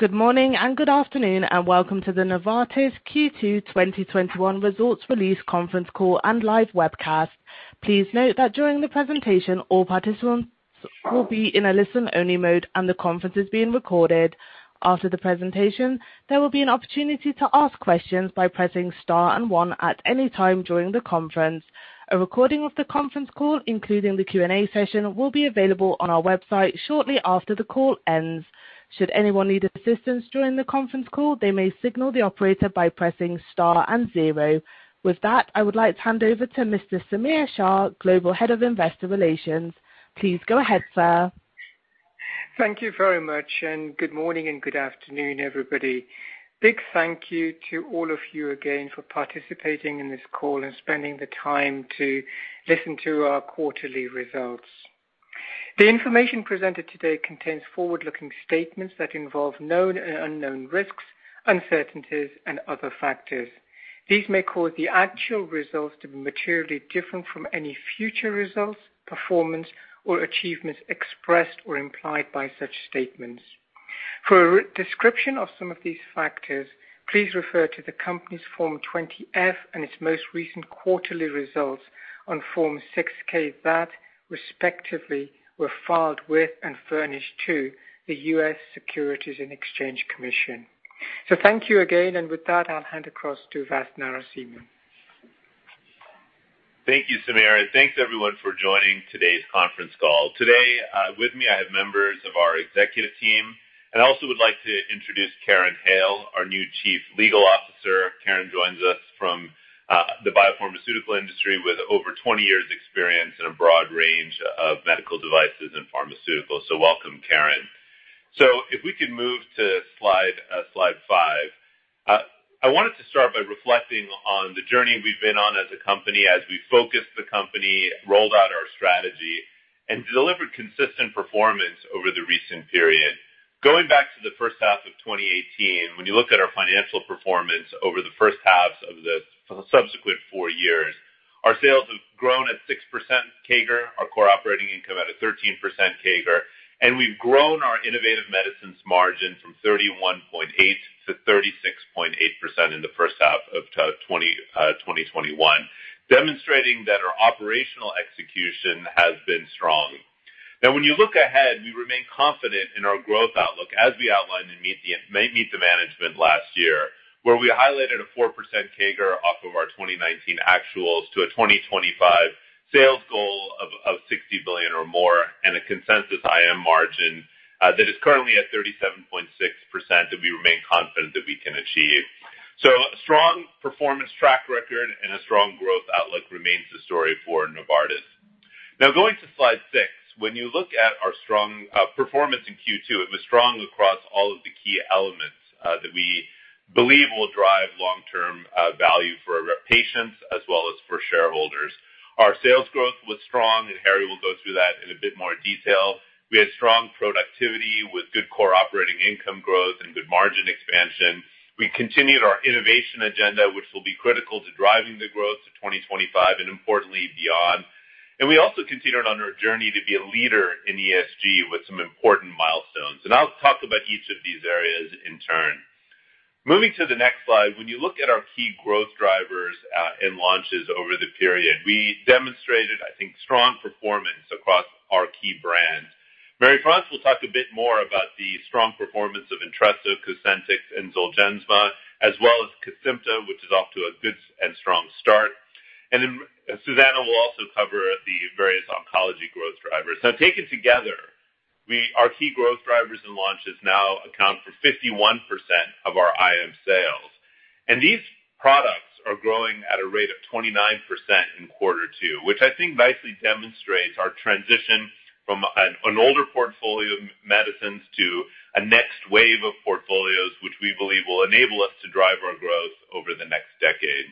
Good morning and good afternoon, and welcome to the Novartis Q2 2021 results release conference call and live webcast. Please note that during the presentation, all participants will be in a listen-only mode and the conference is being recorded. After the presentation, there will be an opportunity to ask questions by pressing star and one at any time during the conference. A recording of the conference call, including the Q&A session, will be available on our website shortly after the call ends. Should anyone need assistance during the conference call, they may signal the operator by pressing star and zero. With that, I would like to hand over to Mr. Samir Shah, Global Head of Investor Relations. Please go ahead, sir. Thank you very much, good morning and good afternoon, everybody. Big thank you to all of you again for participating in this call and spending the time to listen to our quarterly results. The information presented today contains forward-looking statements that involve known and unknown risks, uncertainties, and other factors. These may cause the actual results to be materially different from any future results, performance, or achievements expressed or implied by such statements. For a description of some of these factors, please refer to the company's Form 20-F and its most recent quarterly results on Form 6-K that respectively were filed with and furnished to the U.S. Securities and Exchange Commission. Thank you again, and with that, I'll hand across to Vas Narasimhan. Thank you, Samir. Thanks, everyone, for joining today's conference call. Today with me, I have members of our executive team, and I also would like to introduce Karen Hale, our new Chief Legal Officer. Karen joins us from the biopharmaceutical industry with over 20 years experience in a broad range of medical devices and pharmaceuticals. Welcome, Karen. If we could move to slide five. I wanted to start by reflecting on the journey we've been on as a company, as we focused the company, rolled out our strategy, and delivered consistent performance over the recent period. Going back to the first half of 2018, when you look at our financial performance over the first halves of the subsequent four years, our sales have grown at 6% CAGR, our core operating income at a 13% CAGR, and we've grown our Innovative Medicines margin from 31.8% to 36.8% in the first half of 2021, demonstrating that our operational execution has been strong. When you look ahead, we remain confident in our growth outlook as we outlined in Meet the Management last year, where we highlighted a 4% CAGR off of our 2019 actuals to a 2025 sales goal of $60 billion or more, a consensus IM margin that is currently at 37.6% that we remain confident that we can achieve. A strong performance track record and a strong growth outlook remains the story for Novartis. Going to slide six. When you look at our strong performance in Q2, it was strong across all of the key elements that we believe will drive long-term value for our patients as well as for shareholders. Our sales growth was strong. Harry will go through that in a bit more detail. We had strong productivity with good core operating income growth and good margin expansion. We continued our innovation agenda, which will be critical to driving the growth to 2025, importantly, beyond. We also continued on our journey to be a leader in ESG with some important milestones. I'll talk about each of these areas in turn. Moving to the next slide. When you look at our key growth drivers and launches over the period, we demonstrated, I think, strong performance across our key brands. Marie-France will talk a bit more about the strong performance of ENTRESTO, COSENTYX, and ZOLGENSMA, as well as KESIMPTA, which is off to a good and strong start. Susanne will also cover the various oncology growth drivers. Taken together, our key growth drivers and launches now account for 51% of our IM sales. These products are growing at a rate of 29% in quarter two, which I think nicely demonstrates our transition from an older portfolio of medicines to a next wave of portfolios, which we believe will enable us to drive our growth over the next decade.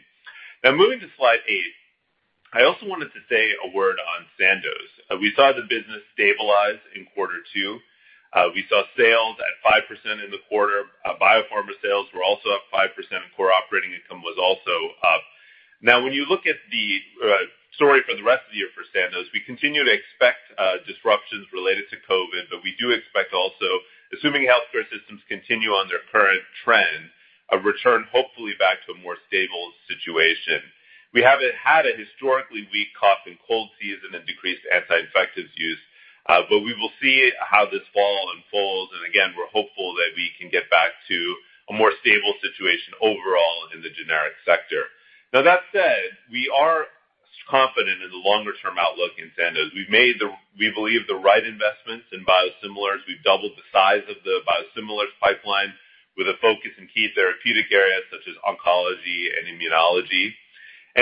Moving to slide eight. I also wanted to say a word on Sandoz. We saw the business stabilize in quarter two. We saw sales at 5% in the quarter. Biopharma sales were also up 5%, and core operating income was also up. When you look at the story for the rest of the year for Sandoz, we continue to expect disruptions related to COVID, but we do expect also, assuming healthcare systems continue on their current trend, a return, hopefully, back to a more stable situation. We have had a historically weak cough and cold season and decreased anti-infectives use. We will see how this fall unfolds, and again, we're hopeful that we can get back to a more stable situation overall in the generic sector. That said, we are confident in the longer-term outlook in Sandoz. We've made, we believe, the right investments in biosimilars. We've doubled the size of the biosimilars pipeline with a focus in key therapeutic areas such as oncology and immunology.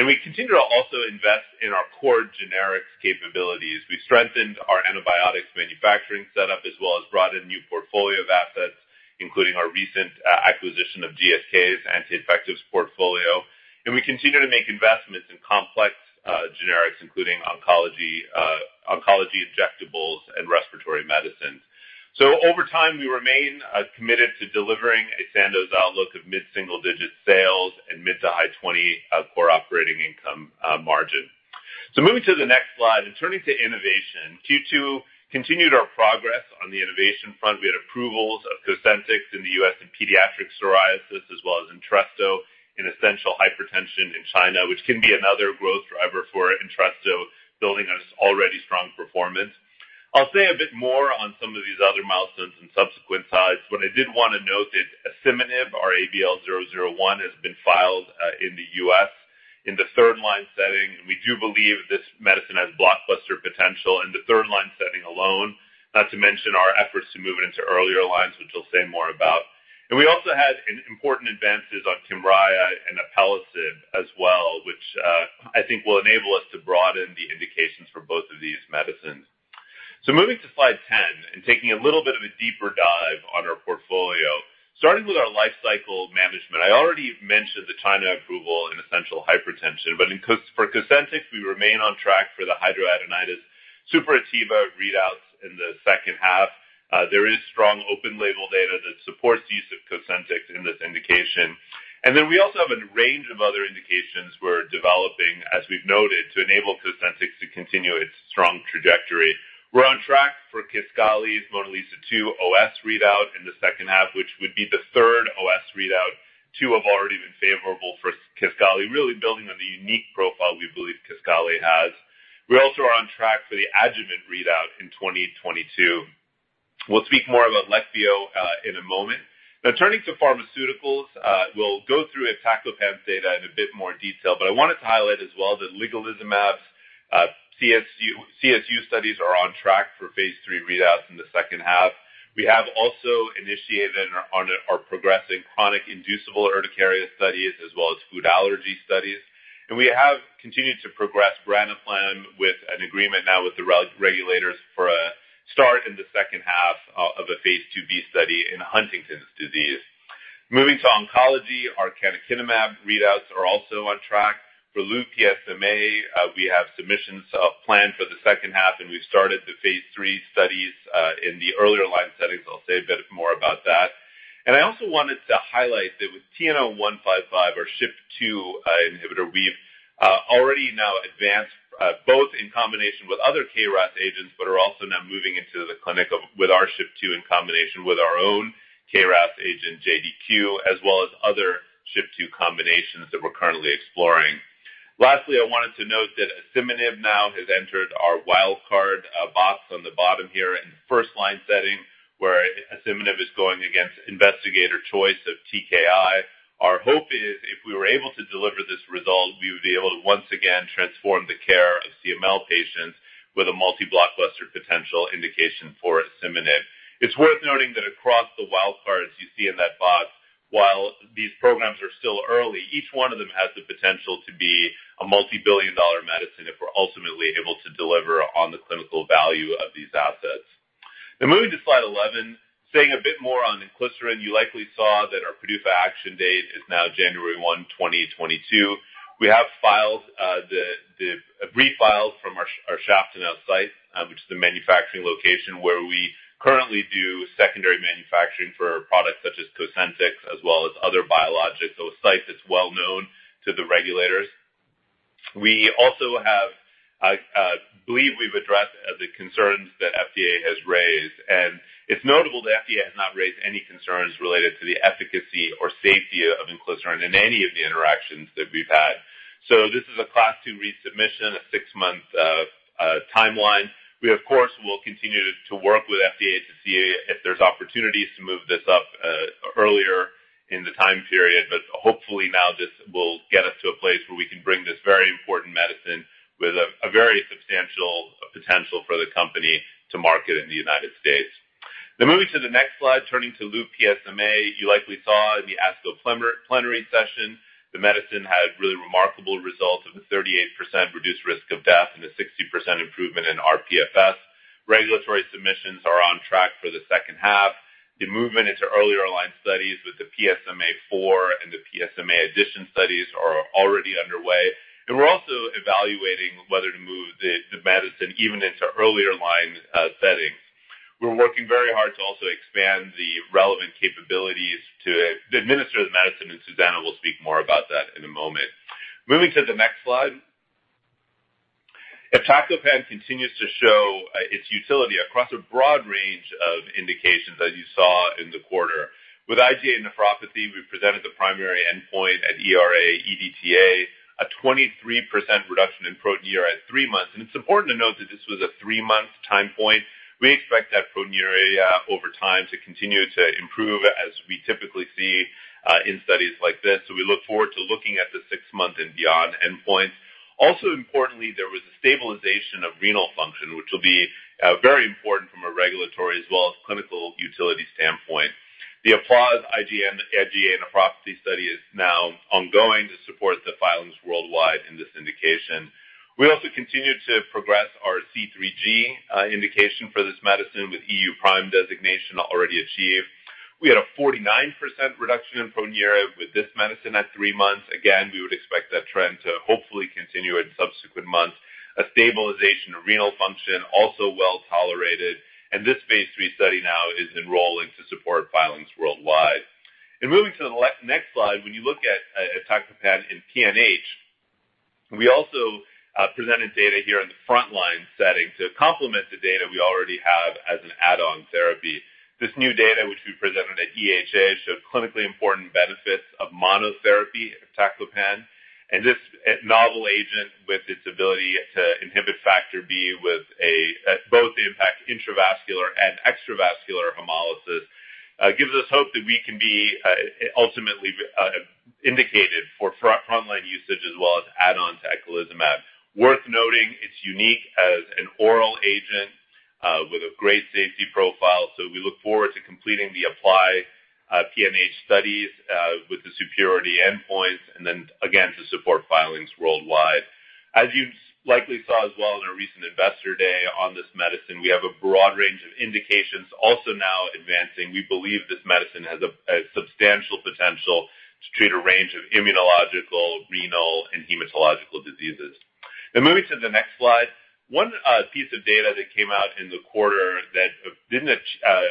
We continue to also invest in our core generics capabilities. We strengthened our antibiotics manufacturing setup, as well as brought in new portfolio of assets, including our recent acquisition of GSK's anti-infectives portfolio. We continue to make investments in complex generics, including oncology injectables and respiratory medicines. Over time, we remain committed to delivering a Sandoz outlook of mid-single-digit sales and mid-to-high 20 core operating income margin. Moving to the next slide and turning to innovation. Q2 continued our progress on the innovation front. We had approvals of COSENTYX in the U.S. in pediatric psoriasis, as well as ENTRESTO in essential hypertension in China, which can be another growth driver for ENTRESTO, building on its already strong performance. I'll say a bit more on some of these other milestones in subsequent slides, but I did want to note that asciminib, our ABL001, has been filed in the U.S. in the third-line setting, and we do believe this medicine has blockbuster potential in the third-line setting alone, not to mention our efforts to move it into earlier lines, which I'll say more about. We also had important advances on KYMRIAH and alpelisib as well, which I think will enable us to broaden the indications for both of these medicines. Moving to slide 10 and taking a little bit of a deeper dive on our portfolio, starting with our life cycle management. I already mentioned the China approval in essential hypertension, but for COSENTYX, we remain on track for the hidradenitis suppurativa readouts in the second half. There is strong open label data that supports the use of COSENTYX in this indication. We also have a range of other indications we're developing, as we've noted, to enable COSENTYX to continue its strong trajectory. We're on track for KISQALI's MONALEESA-2 OS readout in the second half, which would be the third OS readout. Two have already been favorable for KISQALI, really building on the unique profile we believe KISQALI has. We also are on track for the adjuvant readout in 2022. We'll speak more about LEQVIO in a moment. Turning to pharmaceuticals, we'll go through iptacopan's data in a bit more detail, I wanted to highlight as well that ligelizumab's CSU studies are on track for phase III readouts in the second half. We have also initiated and are progressing chronic inducible urticaria studies as well as food allergy studies. We have continued to progress branaplam with an agreement now with the regulators for a start in the second half of a phase II-B study in Huntington's disease. Moving to oncology, our canakinumab readouts are also on track. For Lu-PSMA, we have submissions planned for the second half, and we've started the phase III studies in the earlier line settings. I'll say a bit more about that. I also wanted to highlight that with TNO155, our SHP2 inhibitor, we've already now advanced both in combination with other KRAS agents but are also now moving into the clinic with our SHP2 in combination with our own KRAS agent, JDQ, as well as other SHP2 combinations that we're currently exploring. Lastly, I wanted to note that asciminib now has entered our wild card box on the bottom here in first-line setting where asciminib is going against investigator choice of TKI. Our hope is if we were able to deliver this result, we would be able to once again transform the care of CML patients with a multi-blockbuster potential indication for asciminib. It's worth noting that across the wild cards you see in that box, while these programs are still early, each one of them has the potential to be a multi-billion dollar medicine if we're ultimately able to deliver on the clinical value of these assets. Moving to slide 11, saying a bit more on inclisiran. You likely saw that our PDUFA action date is now January 1, 2022. We have filed the brief files from our Schaftenau site, which is the manufacturing location where we currently do secondary manufacturing for products such as COSENTYX as well as other biologics. It's a site that's well known to the regulators. We also have, I believe we've addressed the concerns that FDA has raised, and it's notable that FDA has not raised any concerns related to the efficacy or safety of inclisiran in any of the interactions that we've had. This is a Class 2 resubmission, a six-month timeline. We of course, will continue to work with FDA to see if there's opportunities to move this up earlier in the time period, but hopefully now this will get us to a place where we can bring this very important medicine with a very substantial potential for the company to market in the United States. Moving to the next slide, turning to Lu-PSMA, you likely saw in the ASCO plenary session the medicine had really remarkable results of a 38% reduced risk of death and a 60% improvement in rPFS. Regulatory submissions are on track for the second half. The movement into earlier line studies with the PSMAfore and the PSMAddition studies are already underway. We're also evaluating whether to move the medicine even into earlier line settings. We're working very hard to also expand the relevant capabilities to administer the medicine, and Susanne will speak more about that in a moment. Moving to the next slide. Iptacopan continues to show its utility across a broad range of indications, as you saw in the quarter. With IgA nephropathy, we presented the primary endpoint at ERA-EDTA, a 23% reduction in proteinuria at three months. It's important to note that this was a three-month time point. We expect that proteinuria over time to continue to improve as we typically see in studies like this. We look forward to looking at the six-month and beyond endpoints. Importantly, there was a stabilization of renal function, which will be very important from a regulatory as well as clinical utility standpoint. The APPLAUSE-IgAN nephropathy study is now ongoing to support the filings worldwide in this indication. We also continue to progress our C3G indication for this medicine with EU PRIME designation already achieved. We had a 49% reduction in proteinuria with this medicine at three months. Again, we would expect that trend to hopefully continue in subsequent months. A stabilization of renal function, also well-tolerated, and this phase III study now is enrolling to support filings worldwide. Moving to the next slide. When you look at iptacopan in PNH, we also presented data here in the frontline setting to complement the data we already have as an add-on therapy. This new data, which we presented at EHA, showed clinically important benefits of monotherapy iptacopan, this novel agent, with its ability to inhibit Factor B with both the impact intravascular and extravascular hemolysis, gives us hope that we can be ultimately indicated for frontline usage as well as add-on to eculizumab. Worth noting, it's unique as an oral agent with a great safety profile. We look forward to completing the APPLY-PNH studies with the superiority endpoints again to support filings worldwide. As you likely saw as well in our recent investor day on this medicine, we have a broad range of indications also now advancing. We believe this medicine has a substantial potential to treat a range of immunological, renal, and hematological diseases. Moving to the next slide. One piece of data that came out in the quarter that didn't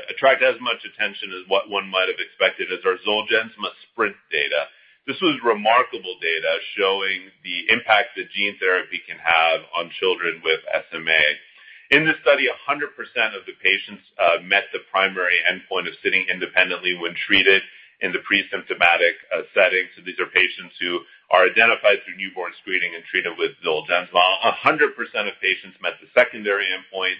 attract as much attention as what one might have expected is our ZOLGENSMA SPR1NT data. This was remarkable data showing the impact that gene therapy can have on children with SMA. In this study, 100% of the patients met the primary endpoint of sitting independently when treated in the presymptomatic setting. These are patients who are identified through newborn screening and treated with ZOLGENSMA. 100% of patients met the secondary endpoint.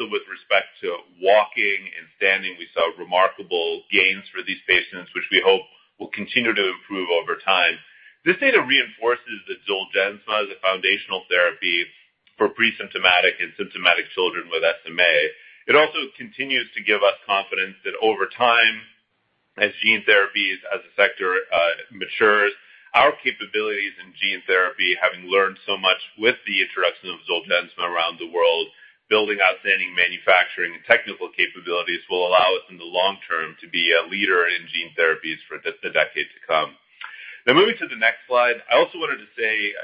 With respect to walking and standing, we saw remarkable gains for these patients, which we hope will continue to improve over time. This data reinforces that ZOLGENSMA is a foundational therapy for presymptomatic and symptomatic children with SMA. It also continues to give us confidence that over time, as gene therapies as a sector matures, our capabilities in gene therapy, having learned so much with the introduction of ZOLGENSMA around the world, building outstanding manufacturing and technical capabilities, will allow us in the long term to be a leader in gene therapies for the decades to come. Moving to the next slide. I also wanted to say,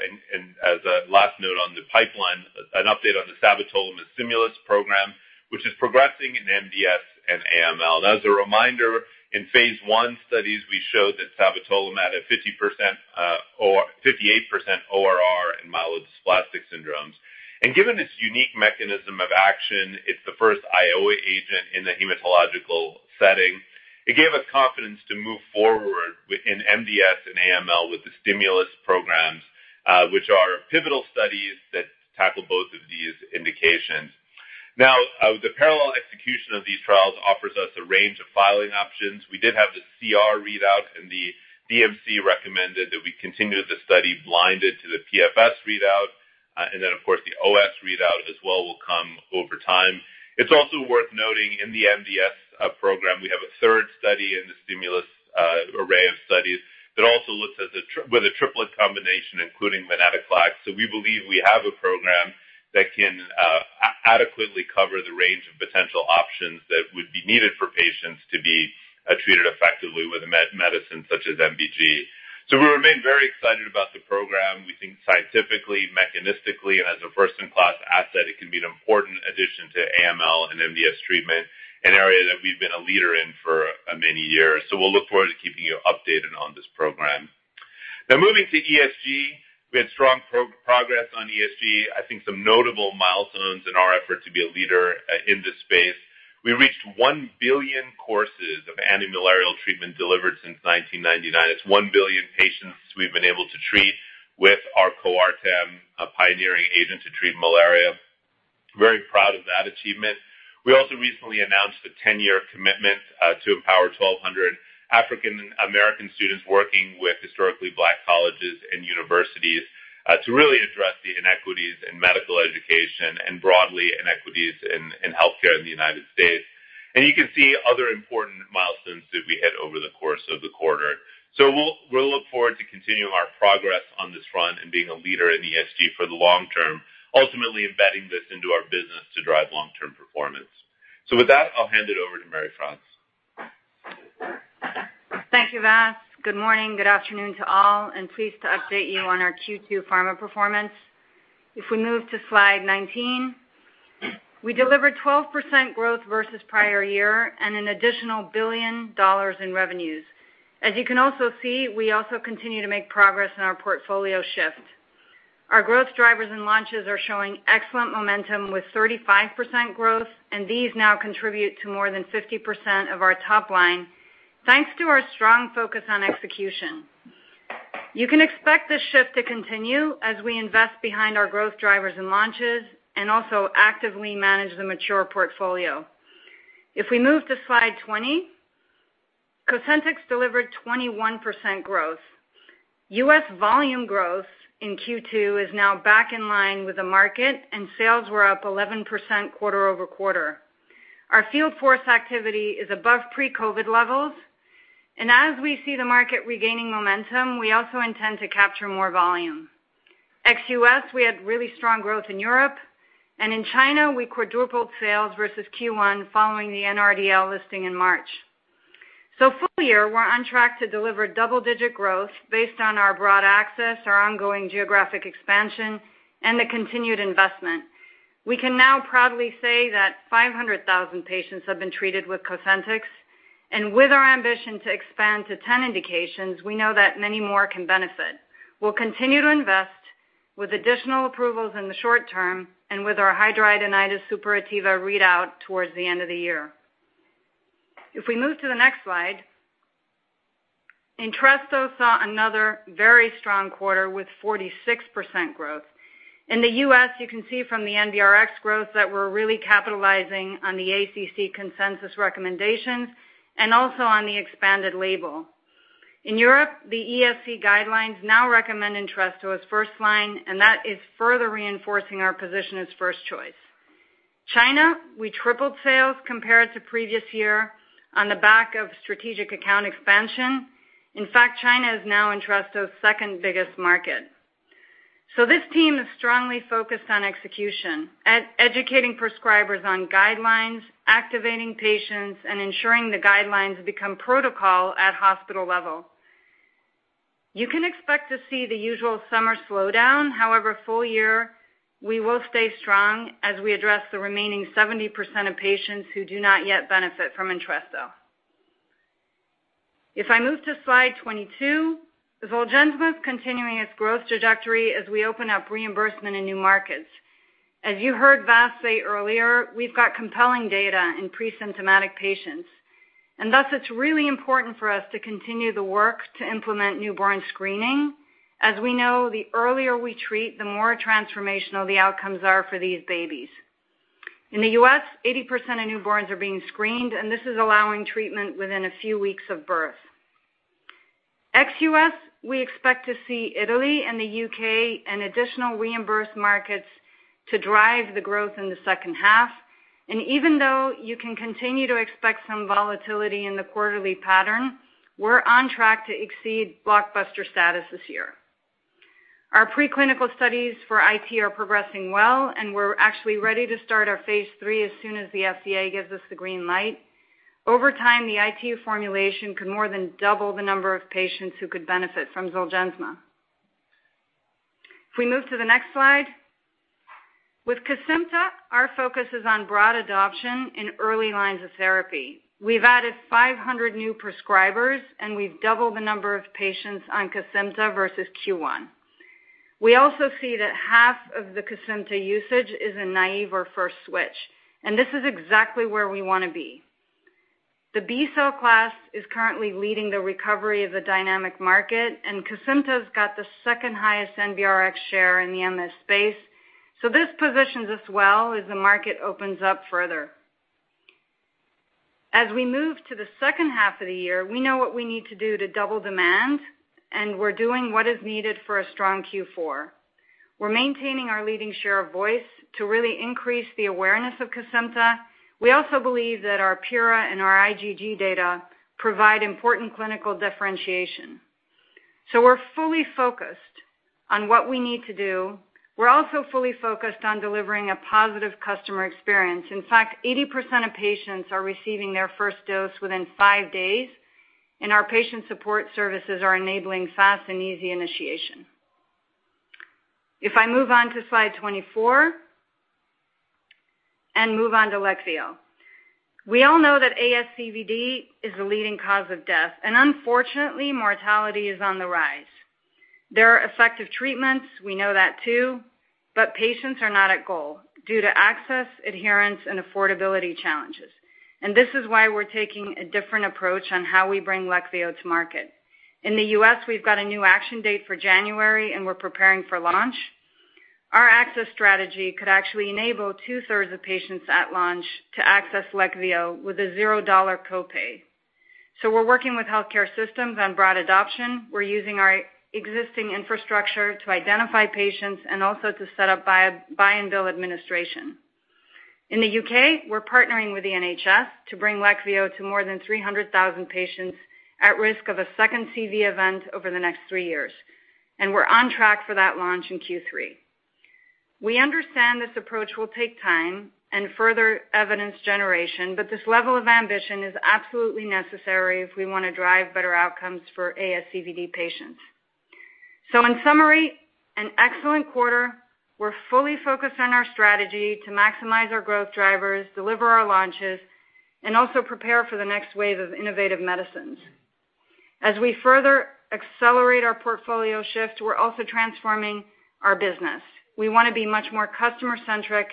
as a last note on the pipeline, an update on the sabatolimab STIMULUS program, which is progressing in MDS and AML. As a reminder, in phase I studies, we showed that sabatolimab had 58% ORR in myelodysplastic syndromes. Given its unique mechanism of action, it's the first IOA agent in the hematological setting. It gave us confidence to move forward in MDS and AML with the STIMULUS programs, which are pivotal studies that tackle both of these indications. Now, the parallel execution of these trials offers us a range of filing options. We did have the CR readout, and the DMC recommended that we continue the study blinded to the PFS readout, and then, of course, the OS readout as well will come over time. It's also worth noting in the MDS program, we have a third study in the STIMULUS array of studies that also looks with a triplet combination including venetoclax. We believe we have a program that can adequately cover the range of potential options that would be needed for patients to be treated effectively with a medicine such as MBG. We remain very excited about the program. We think scientifically, mechanistically, and as a first-in-class asset, it can be an important addition to AML and MDS treatment, an area that we've been a leader in for many years. We'll look forward to keeping you updated on this program. Now moving to ESG. We had strong progress on ESG. I think some notable milestones in our effort to be a leader in this space. We reached 1 billion courses of antimalarial treatment delivered since 1999. It's 1 billion patients we've been able to treat with our Coartem pioneering agent to treat malaria. Very proud of that achievement. We also recently announced a 10-year commitment to empower 1,200 African American students working with historically black colleges and universities to really address the inequities in medical education and broadly inequities in healthcare in the U.S. You can see other important milestones that we hit over the course of the quarter. We'll look forward to continuing our progress on this front and being a leader in ESG for the long term, ultimately embedding this into our business to drive long-term performance. With that, I'll hand it over to Marie-France. Thank you, Vas. Good morning. Good afternoon to all. Pleased to update you on our Q2 pharma performance. If we move to slide 19, we delivered 12% growth versus prior year and an additional $1 billion in revenues. As you can also see, we also continue to make progress in our portfolio shift. Our growth drivers and launches are showing excellent momentum with 35% growth. These now contribute to more than 50% of our top line, thanks to our strong focus on execution. You can expect this shift to continue as we invest behind our growth drivers and launches and also actively manage the mature portfolio. If we move to slide 20, COSENTYX delivered 21% growth. U.S. volume growth in Q2 is now back in line with the market. Sales were up 11% quarter-over-quarter. Our field force activity is above pre-COVID levels. As we see the market regaining momentum, we also intend to capture more volume. Ex-US, we had really strong growth in Europe. In China, we quadrupled sales versus Q1 following the NRDL listing in March. Full year, we're on track to deliver double-digit growth based on our broad access, our ongoing geographic expansion, and the continued investment. We can now proudly say that 500,000 patients have been treated with COSENTYX. With our ambition to expand to 10 indications, we know that many more can benefit. We'll continue to invest with additional approvals in the short term and with our hidradenitis suppurativa readout towards the end of the year. If we move to the next slide, ENTRESTO saw another very strong quarter with 46% growth. In the U.S., you can see from the NBRx growth that we're really capitalizing on the ACC consensus recommendation and also on the expanded label. In Europe, the ESC guidelines now recommend ENTRESTO as first-line. That is further reinforcing our position as first choice. China, we tripled sales compared to previous year on the back of strategic account expansion. In fact, China is now ENTRESTO's second-biggest market. This team is strongly focused on execution, educating prescribers on guidelines, activating patients, and ensuring the guidelines become protocol at hospital level. You can expect to see the usual summer slowdown. However, full year, we will stay strong as we address the remaining 70% of patients who do not yet benefit from ENTRESTO. If I move to slide 22, ZOLGENSMA's continuing its growth trajectory as we open up reimbursement in new markets. As you heard Vas say earlier, we've got compelling data in presymptomatic patients, and thus it's really important for us to continue the work to implement newborn screening. As we know, the earlier we treat, the more transformational the outcomes are for these babies. In the U.S., 80% of newborns are being screened, and this is allowing treatment within a few weeks of birth. Ex-U.S., we expect to see Italy and the U.K. and additional reimbursed markets to drive the growth in the second half. Even though you can continue to expect some volatility in the quarterly pattern, we're on track to exceed blockbuster status this year. Our pre-clinical studies for IT are progressing well, and we're actually ready to start our phase III as soon as the FDA gives us the green light. Over time, the IT formulation could more than double the number of patients who could benefit from ZOLGENSMA. If we move to the next slide. With KESIMPTA, our focus is on broad adoption in early lines of therapy. We've added 500 new prescribers, and we've doubled the number of patients on KESIMPTA versus Q1. We also see that half of the KESIMPTA usage is in naive or first switch, and this is exactly where we want to be. The B-cell class is currently leading the recovery of the dynamic market, and KESIMPTA's got the second highest NBRx share in the MS space. This positions us well as the market opens up further. As we move to the second half of the year, we know what we need to do to double demand, and we're doing what is needed for a strong Q4. We're maintaining our leading share of voice to really increase the awareness of KESIMPTA. We also believe that our PIRA and our IgG data provide important clinical differentiation. We're fully focused on what we need to do. We're also fully focused on delivering a positive customer experience. In fact, 80% of patients are receiving their first dose within five days, and our patient support services are enabling fast and easy initiation. If I move on to slide 24 and move on to LEQVIO. We all know that ASCVD is the leading cause of death, and unfortunately, mortality is on the rise. There are effective treatments, we know that too, but patients are not at goal due to access, adherence, and affordability challenges. This is why we're taking a different approach on how we bring LEQVIO to market. In the U.S., we've got a new action date for January, and we're preparing for launch. Our access strategy could actually enable 2/3 of patients at launch to access LEQVIO with a $0 copay. We're working with healthcare systems on broad adoption. We're using our existing infrastructure to identify patients and also to set up buy and bill administration. In the U.K., we're partnering with the NHS to bring LEQVIO to more than 300,000 patients at risk of a second CV event over the next three years, and we're on track for that launch in Q3. We understand this approach will take time and further evidence generation, but this level of ambition is absolutely necessary if we want to drive better outcomes for ASCVD patients. In summary, an excellent quarter. We're fully focused on our strategy to maximize our growth drivers, deliver our launches, and also prepare for the next wave of innovative medicines. As we further accelerate our portfolio shift, we're also transforming our business. We want to be much more customer-centric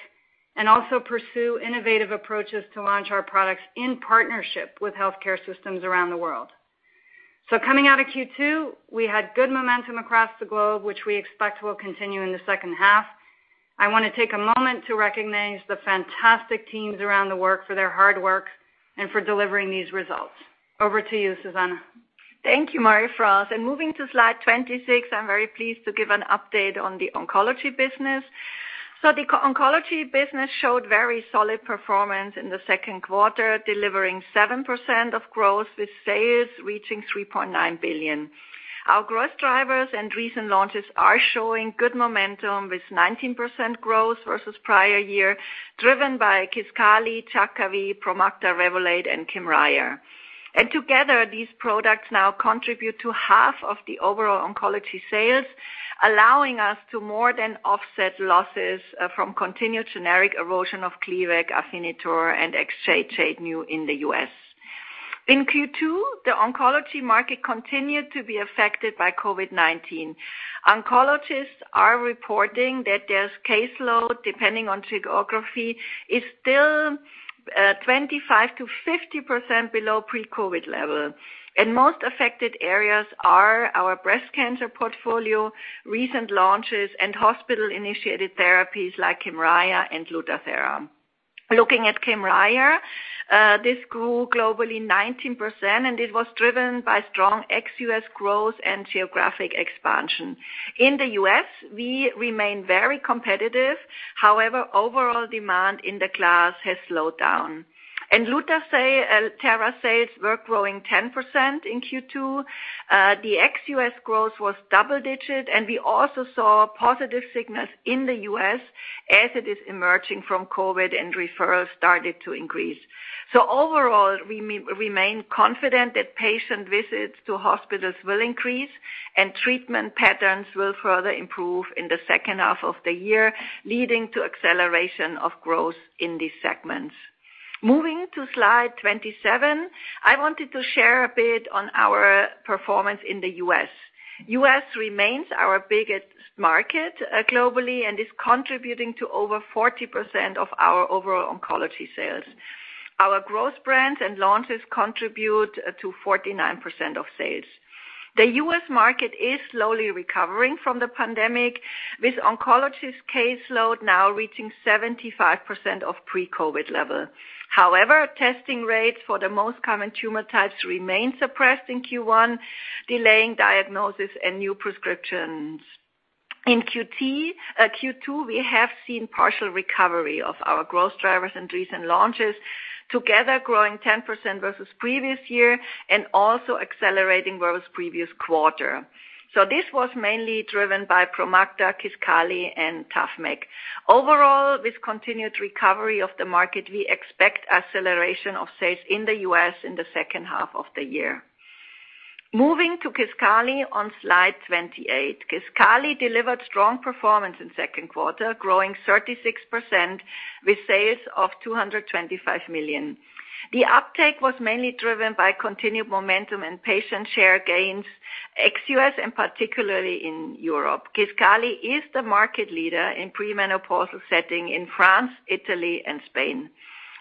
and also pursue innovative approaches to launch our products in partnership with healthcare systems around the world. Coming out of Q2, we had good momentum across the globe, which we expect will continue in the second half. I want to take a moment to recognize the fantastic teams around the world for their hard work and for delivering these results. Over to you, Susanne. Thank you, Marie-France, and moving to slide 26, I'm very pleased to give an update on the oncology business. The oncology business showed very solid performance in the second quarter, delivering 7% of growth, with sales reaching $3.9 billion. Our growth drivers and recent launches are showing good momentum, with 19% growth versus prior year, driven by KISQALI, Jakavi, PROMACTA, Revolade, and KYMRIAH. Together, these products now contribute to half of the overall oncology sales, allowing us to more than offset losses from continued generic erosion of Gleevec, AFINITOR, and Exjade in the U.S. In Q2, the oncology market continued to be affected by COVID-19. Oncologists are reporting that their caseload, depending on geography, is still 25%-50% below pre-COVID level. Most affected areas are our breast cancer portfolio, recent launches, and hospital-initiated therapies like KYMRIAH and LUTATHERA. Looking at KYMRIAH, this grew globally 19%, it was driven by strong ex-U.S. growth and geographic expansion. In the U.S., we remain very competitive. However, overall demand in the class has slowed down. LUTATHERA sales were growing 10% in Q2. The ex-U.S. growth was double-digit, and we also saw positive signals in the U.S. as it is emerging from COVID-19 and referrals started to increase. Overall, we remain confident that patient visits to hospitals will increase and treatment patterns will further improve in the second half of the year, leading to acceleration of growth in these segments. Moving to slide 27, I wanted to share a bit on our performance in the U.S. U.S. remains our biggest market globally and is contributing to over 40% of our overall oncology sales. Our growth brands and launches contribute to 49% of sales. The U.S. market is slowly recovering from the pandemic, with oncologist caseload now reaching 75% of pre-COVID level. Testing rates for the most common tumor types remain suppressed in Q1, delaying diagnosis and new prescriptions. In Q2, we have seen partial recovery of our growth drivers and recent launches, together growing 10% versus the previous year and also accelerating versus the previous quarter. This was mainly driven by PROMACTA, KISQALI, and TAFMEK. With continued recovery of the market, we expect acceleration of sales in the U.S. in the second half of the year. Moving to KISQALI on slide 28. KISQALI delivered strong performance in the second quarter, growing 36% with sales of $225 million. The uptake was mainly driven by continued momentum and patient share gains ex-U.S. and particularly in Europe. KISQALI is the market leader in premenopausal setting in France, Italy, and Spain.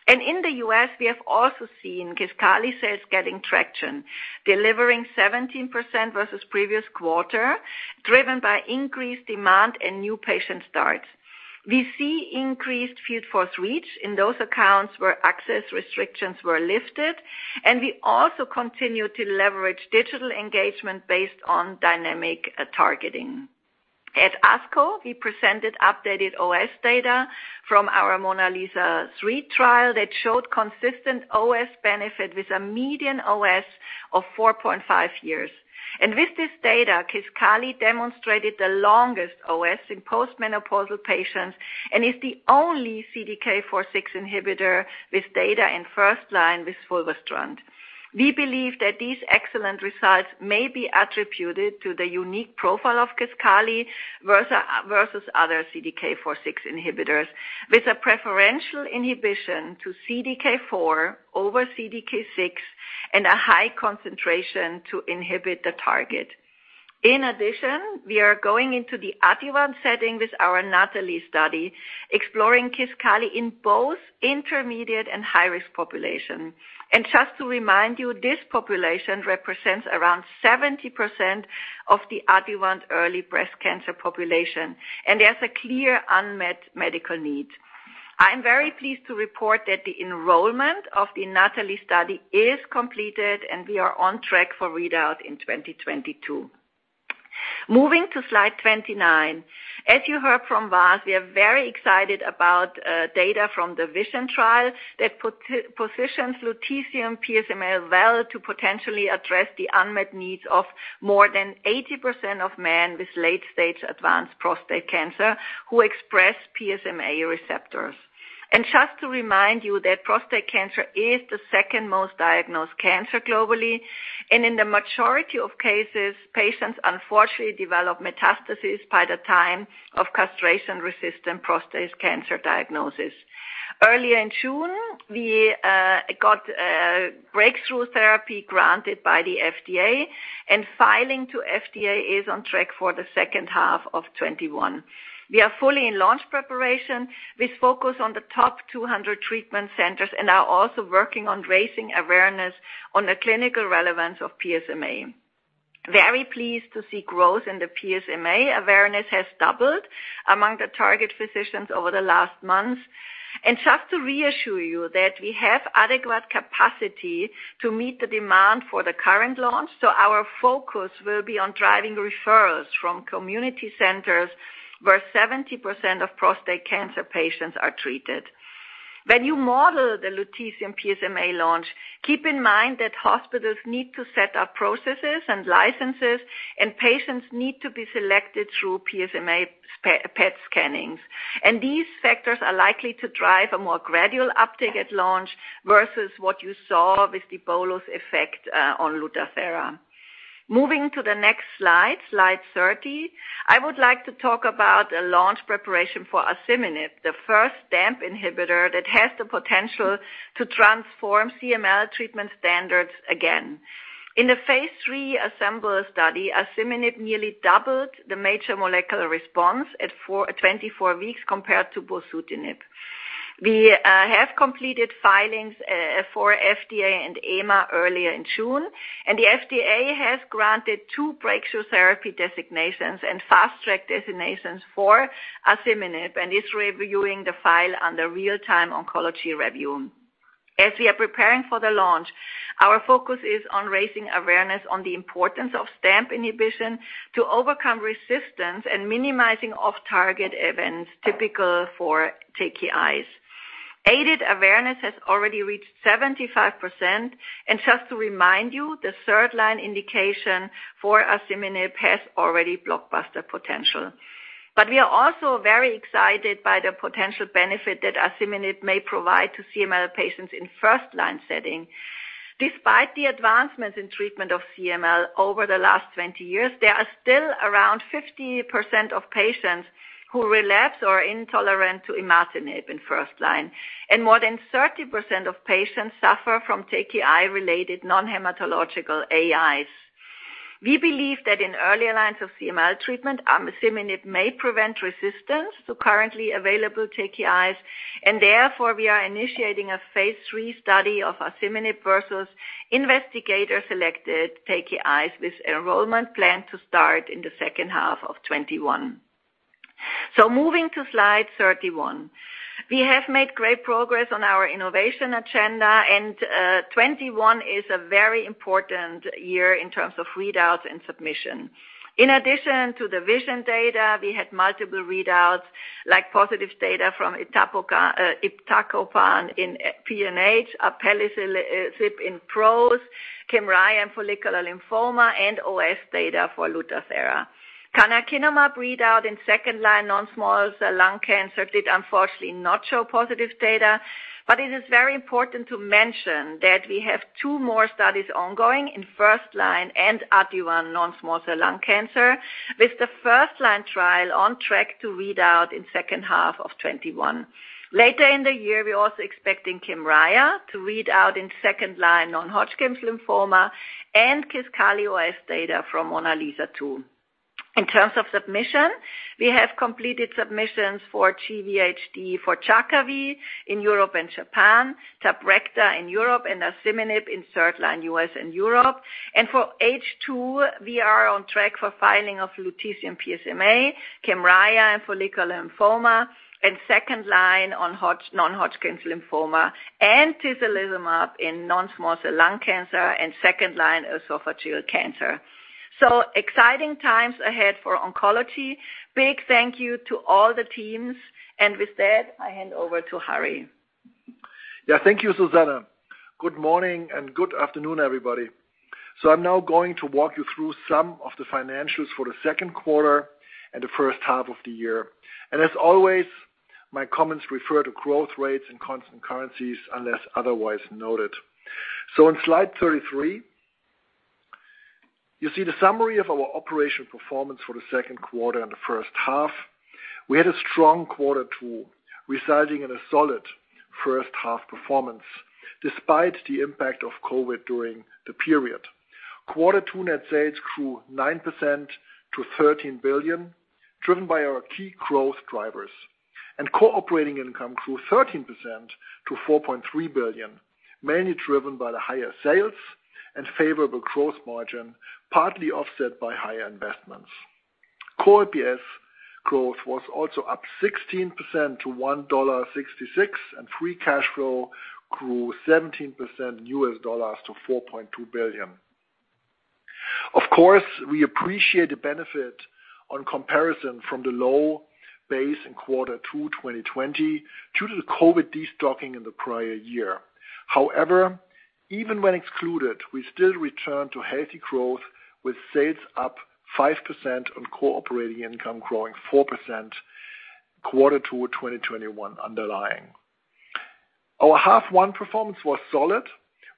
In the U.S., we have also seen KISQALI sales getting traction, delivering 17% versus the previous quarter, driven by increased demand and new patient starts. We see increased field force reach in those accounts where access restrictions were lifted, and we also continue to leverage digital engagement based on dynamic targeting. At ASCO, we presented updated OS data from our MONALEESA-3 trial that showed consistent OS benefit with a median OS of 4.5 years. With this data, KISQALI demonstrated the longest OS in post-menopausal patients and is the only CDK4/6 inhibitor with data in first-line with fulvestrant. We believe that these excellent results may be attributed to the unique profile of KISQALI versus other CDK4/6 inhibitors with a preferential inhibition to CDK4 over CDK6 and a high concentration to inhibit the target. We are going into the adjuvant setting with our NATALEE study, exploring KISQALI in both intermediate and high-risk population. Just to remind you, this population represents around 70% of the adjuvant early breast cancer population, and there's a clear unmet medical need. I am very pleased to report that the enrollment of the NATALEE study is completed, and we are on track for readout in 2022. Moving to slide 29. As you heard from Vas, we are very excited about data from the VISION trial that positions lutetium PSMA well to potentially address the unmet needs of more than 80% of men with late-stage advanced prostate cancer who express PSMA receptors. Just to remind you that prostate cancer is the second most diagnosed cancer globally, and in the majority of cases, patients unfortunately develop metastasis by the time of castration-resistant prostate cancer diagnosis. Earlier in June, we got Breakthrough Therapy granted by the FDA. Filing to FDA is on track for the second half of 2021. We are fully in launch preparation with focus on the top 200 treatment centers and are also working on raising awareness on the clinical relevance of PSMA. Very pleased to see growth in the PSMA. Awareness has doubled among the target physicians over the last months. Just to reassure you that we have adequate capacity to meet the demand for the current launch. Our focus will be on driving referrals from community centers where 70% of prostate cancer patients are treated. When you model the lutetium PSMA launch, keep in mind that hospitals need to set up processes and licenses, and patients need to be selected through PSMA PET scannings. These factors are likely to drive a more gradual uptake at launch versus what you saw with the bolus effect on LUTATHERA. Moving to the next slide 30, I would like to talk about a launch preparation for asciminib, the first STAMP inhibitor that has the potential to transform CML treatment standards again. In the phase III ASCEMBL study, asciminib nearly doubled the major molecular response at 24 weeks compared to bosutinib. We have completed filings for FDA and EMA earlier in June, and the FDA has granted two Breakthrough Therapy designations and Fast Track designations for asciminib, and is reviewing the file under Real-Time Oncology Review. As we are preparing for the launch, our focus is on raising awareness on the importance of STAMP inhibition to overcome resistance and minimizing off-target events typical for TKIs. Aided awareness has already reached 75%, and just to remind you, the third-line indication for asciminib has already blockbuster potential. We are also very excited by the potential benefit that asciminib may provide to CML patients in first-line setting. Despite the advancements in treatment of CML over the last 20 years, there are still around 50% of patients who relapse or are intolerant to imatinib in first-line, and more than 30% of patients suffer from TKI-related non-hematological AIs. We believe that in earlier lines of CML treatment, asciminib may prevent resistance to currently available TKIs, and therefore, we are initiating a phase III study of asciminib versus investigator selected TKIs, with enrollment planned to start in the second half of 2021. Moving to slide 31. We have made great progress on our innovation agenda, and 2021 is a very important year in terms of readouts and submission. In addition to the VISION data, we had multiple readouts, like positive data from iptacopan in PNH, alpelisib in PROS, KYMRIAH in follicular lymphoma, and OS data for LUTATHERA. Canakinumab readout in second-line non-small cell lung cancer did unfortunately not show positive data, but it is very important to mention that we have two more studies ongoing in first-line and adjuvant non-small cell lung cancer, with the first-line trial on track to read out in second half of 2021. Later in the year, we're also expecting KYMRIAH to read out in second-line non-Hodgkin's lymphoma and KISQALI OS data from MONALEESA-2. In terms of submission, we have completed submissions for GvHD for Jakavi in Europe and Japan, TABRECTA in Europe, and asciminib in third-line U.S. and Europe. For H2, we are on track for filing of lutetium PSMA, KYMRIAH in follicular lymphoma and 2nd-line non-Hodgkin's lymphoma, and tislelizumab in non-small cell lung cancer and 2nd-line esophageal cancer. Exciting times ahead for oncology. Big thank you to all the teams. With that, I hand over to Harry. Yeah. Thank you, Susanne. Good morning and good afternoon, everybody. I'm now going to walk you through some of the financials for the second quarter and the first half of the year. As always, my comments refer to growth rates and constant currencies unless otherwise noted. On slide 33, you see the summary of our operating performance for the second quarter and the first half. We had a strong quarter two, resulting in a solid first half performance despite the impact of COVID-19 during the period. Quarter two net sales grew 9% to $13 billion, driven by our key growth drivers. Core operating income grew 13% to $4.3 billion, mainly driven by the higher sales and favorable gross margin, partly offset by higher investments. Core EPS growth was also up 16% to $1.66. Free cash flow grew 17% in US dollars to $4.2 billion. Of course, we appreciate the benefit on comparison from the low base in quarter two 2020 due to the COVID-19 destocking in the prior year. However, even when excluded, we still returned to healthy growth with sales up 5% on core operating income growing 4% quarter two 2021 underlying. Our half one performance was solid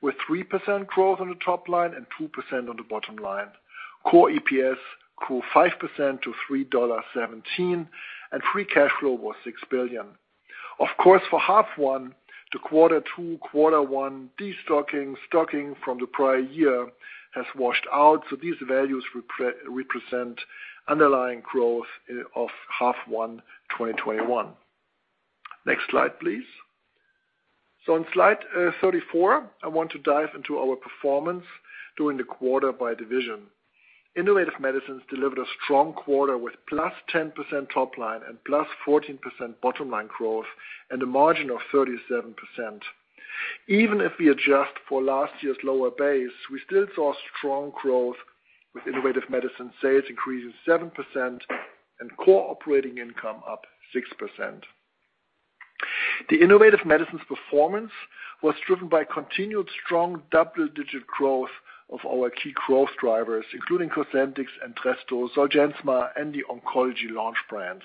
with 3% growth on the top line and 2% on the bottom line. Core EPS grew 5% to $3.17, and free cash flow was $6 billion. Of course, for half one to quarter two, quarter one destocking, stocking from the prior year has washed out. These values represent underlying growth of half one 2021. Next slide, please. On slide 34, I want to dive into our performance during the quarter by division. Innovative Medicines delivered a strong quarter with +10% top line and +14% bottom line growth and a margin of 37%. Even if we adjust for last year's lower base, we still saw strong growth with Innovative Medicines sales increasing 7% and core operating income up 6%. The Innovative Medicines performance was driven by continued strong double-digit growth of our key growth drivers, including COSENTYX, ENTRESTO, ZOLGENSMA, and the oncology launch brands.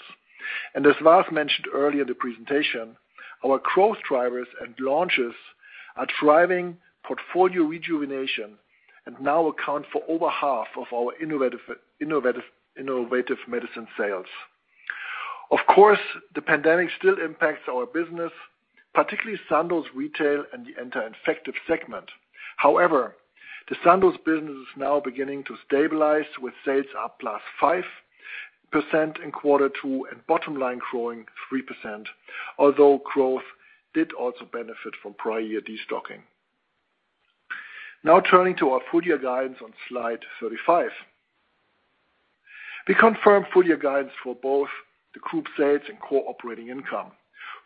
As Vas mentioned earlier in the presentation, our growth drivers and launches are driving portfolio rejuvenation and now account for over half of our Innovative Medicines sales. Of course, the pandemic still impacts our business, particularly Sandoz Retail and the anti-infective segment. The Sandoz business is now beginning to stabilize, with sales up +5% in quarter two and bottom line growing 3%, although growth did also benefit from prior year destocking. Turning to our full-year guidance on slide 35. We confirm full-year guidance for both the group sales and core operating income.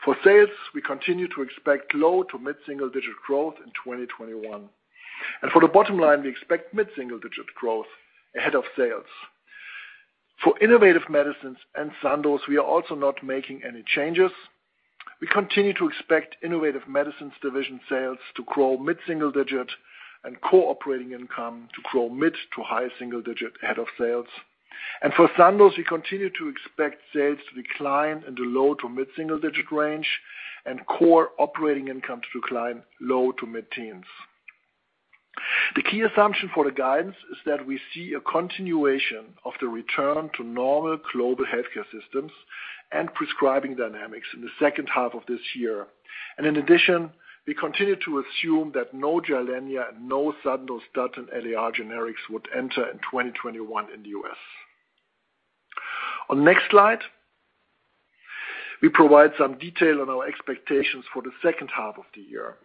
For sales, we continue to expect low-to-mid single digit growth in 2021. For the bottom line, we expect mid-single digit growth ahead of sales. For Innovative Medicines and Sandoz, we are also not making any changes. We continue to expect Innovative Medicines division sales to grow mid-single digit and core operating income to grow mid-to-high single digit ahead of sales. For Sandoz, we continue to expect sales to decline in the low-to-mid single digit range and core operating income to decline low-to-mid teens. The key assumption for the guidance is that we see a continuation of the return to normal global healthcare systems and prescribing dynamics in the second half of this year. In addition, we continue to assume that no GILENYA and no Sandostatin LAR generics would enter in 2021 in the U.S. On the next slide, we provide some detail on our expectations for the second half of the year.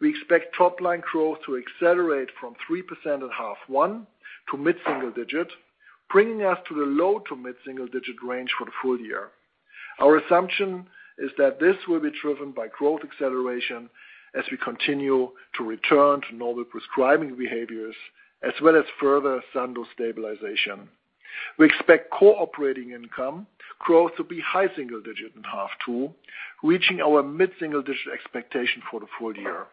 We expect top line growth to accelerate from 3% in half one to mid-single digit, bringing us to the low-to-mid single digit range for the full year. Our assumption is that this will be driven by growth acceleration as we continue to return to normal prescribing behaviors, as well as further Sandoz stabilization. We expect core operating income growth to be high single digit in half two, reaching our mid-single digit expectation for the full year.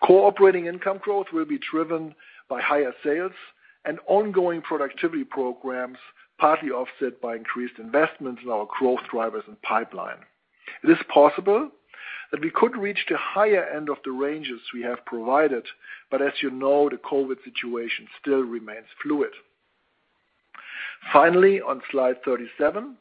Core operating income growth will be driven by higher sales and ongoing productivity programs, partly offset by increased investments in our growth drivers and pipeline. It is possible that we could reach the higher end of the ranges we have provided. As you know, the COVID situation still remains fluid. Finally, on slide 37.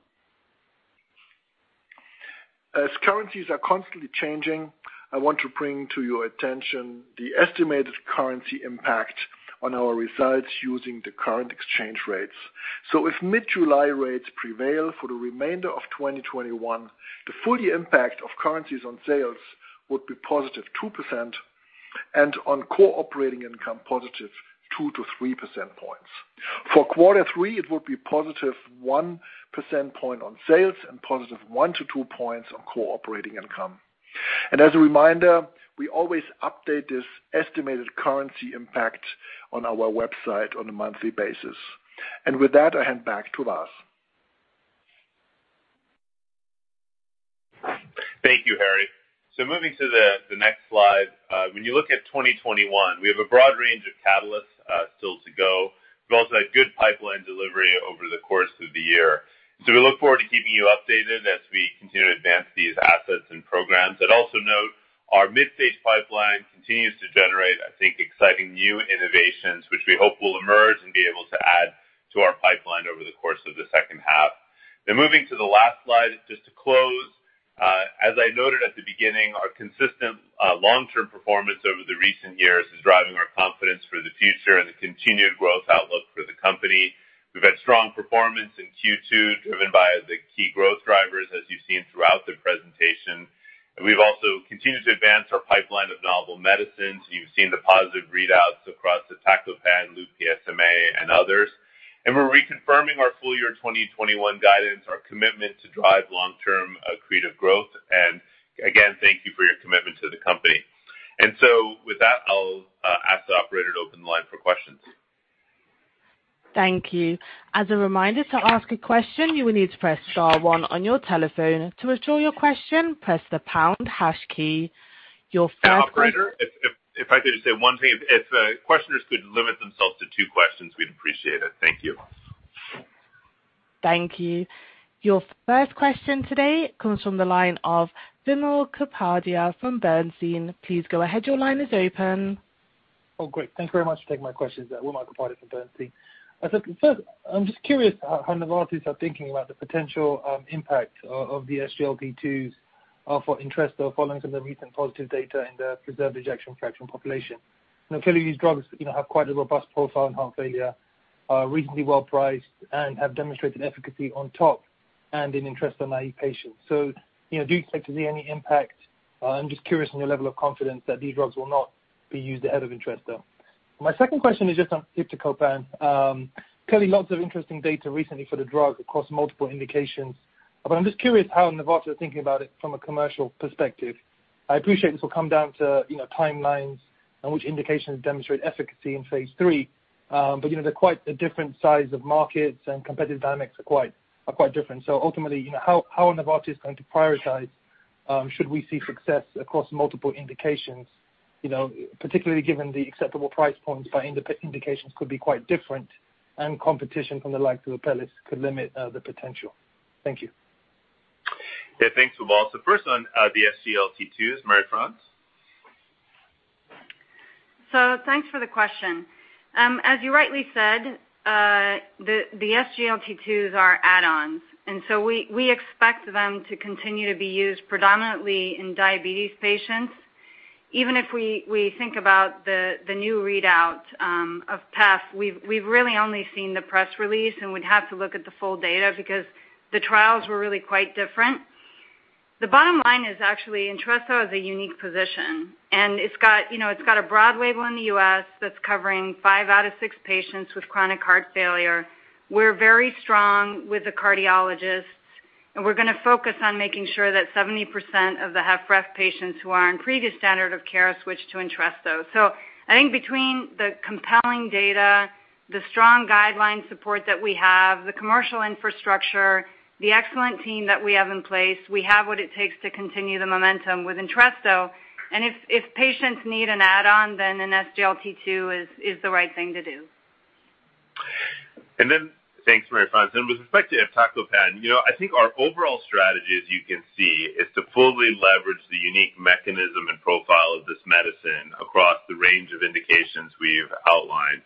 As currencies are constantly changing, I want to bring to your attention the estimated currency impact on our results using the current exchange rates. If mid-July rates prevail for the remainder of 2021, the full year impact of currencies on sales would be positive 2% and on core operating income, +2% to +3% points. For quarter three, it would be +1% point on sales and +1% to +2% points on core operating income. As a reminder, we always update this estimated currency impact on our website on a monthly basis. With that, I hand back to Vas. Thank you, Harry. Moving to the next slide. When you look at 2021, we have a broad range of catalysts still to go. We've also had good pipeline delivery over the course of the year. We look forward to keeping you updated as we continue to advance these assets and programs. I'd also note our mid-stage pipeline continues to generate, I think, exciting new innovations, which we hope will emerge and be able to add to our pipeline over the course of the second half. Moving to the last slide, just to close. As I noted at the beginning, our consistent long-term performance over the recent years is driving our confidence for the future and the continued growth outlook for the company. We've had strong performance in Q2 driven by the key growth drivers, as you've seen throughout the presentation. We've also continued to advance our pipeline of novel medicines. You've seen the positive readouts across iptacopan, Lu-PSMA, and others. We're reconfirming our full year 2021 guidance, our commitment to drive long-term accretive growth. Again, thank you for your commitment to the company. With that, I'll ask the operator to open the line for questions. Thank you. As a reminder, to ask a question, you will need to press star one on your telephone. To withdraw your question, press the pound hash key. Operator, if I could just say one thing. If questioners could limit themselves to two questions, we'd appreciate it. Thank you. Thank you. Your first question today comes from the line of Wimal Kapadia from Bernstein. Please go ahead. Oh, great. Thank you very much for taking my questions. Wimal Kapadia from Bernstein. I'm just curious how Novartis are thinking about the potential impact of the SGLT2s for ENTRESTO following some of the recent positive data in the preserved ejection fraction population. These drugs have quite a robust profile in heart failure, are reasonably well priced, and have demonstrated efficacy on top and in ENTRESTO-naive patients. Do you expect to see any impact? I'm just curious on your level of confidence that these drugs will not be used ahead of ENTRESTO. My second question is just on iptacopan. Lots of interesting data recently for the drug across multiple indications. I'm just curious how Novartis is thinking about it from a commercial perspective. I appreciate this will come down to timelines and which indications demonstrate efficacy in phase III. They're quite a different size of markets, and competitive dynamics are quite different. Ultimately, how Novartis is going to prioritize should we see success across multiple indications, particularly given the acceptable price points by indications could be quite different, and competition from the likes of Apellis could limit the potential. Thank you. Yeah, thanks, Wimal. First on the SGLT2s, Marie-France? Thanks for the question. As you rightly said, the SGLT2s are add-ons, we expect them to continue to be used predominantly in diabetes patients. Even if we think about the new readout of path, we've really only seen the press release, and we'd have to look at the full data because the trials were really quite different. The bottom line is actually, ENTRESTO has a unique position, and it's got a broad label in the U.S. that's covering five out of six patients with chronic heart failure. We're very strong with the cardiologists, and we're going to focus on making sure that 70% of the HFrEF patients who are on previous standard of care switch to ENTRESTO. I think between the compelling data, the strong guideline support that we have, the commercial infrastructure, the excellent team that we have in place, we have what it takes to continue the momentum with ENTRESTO. If patients need an add-on, then an SGLT2 is the right thing to do. Thanks, Marie-France. With respect to iptacopan, I think our overall strategy, as you can see, is to fully leverage the unique mechanism and profile of this medicine across the range of indications we've outlined.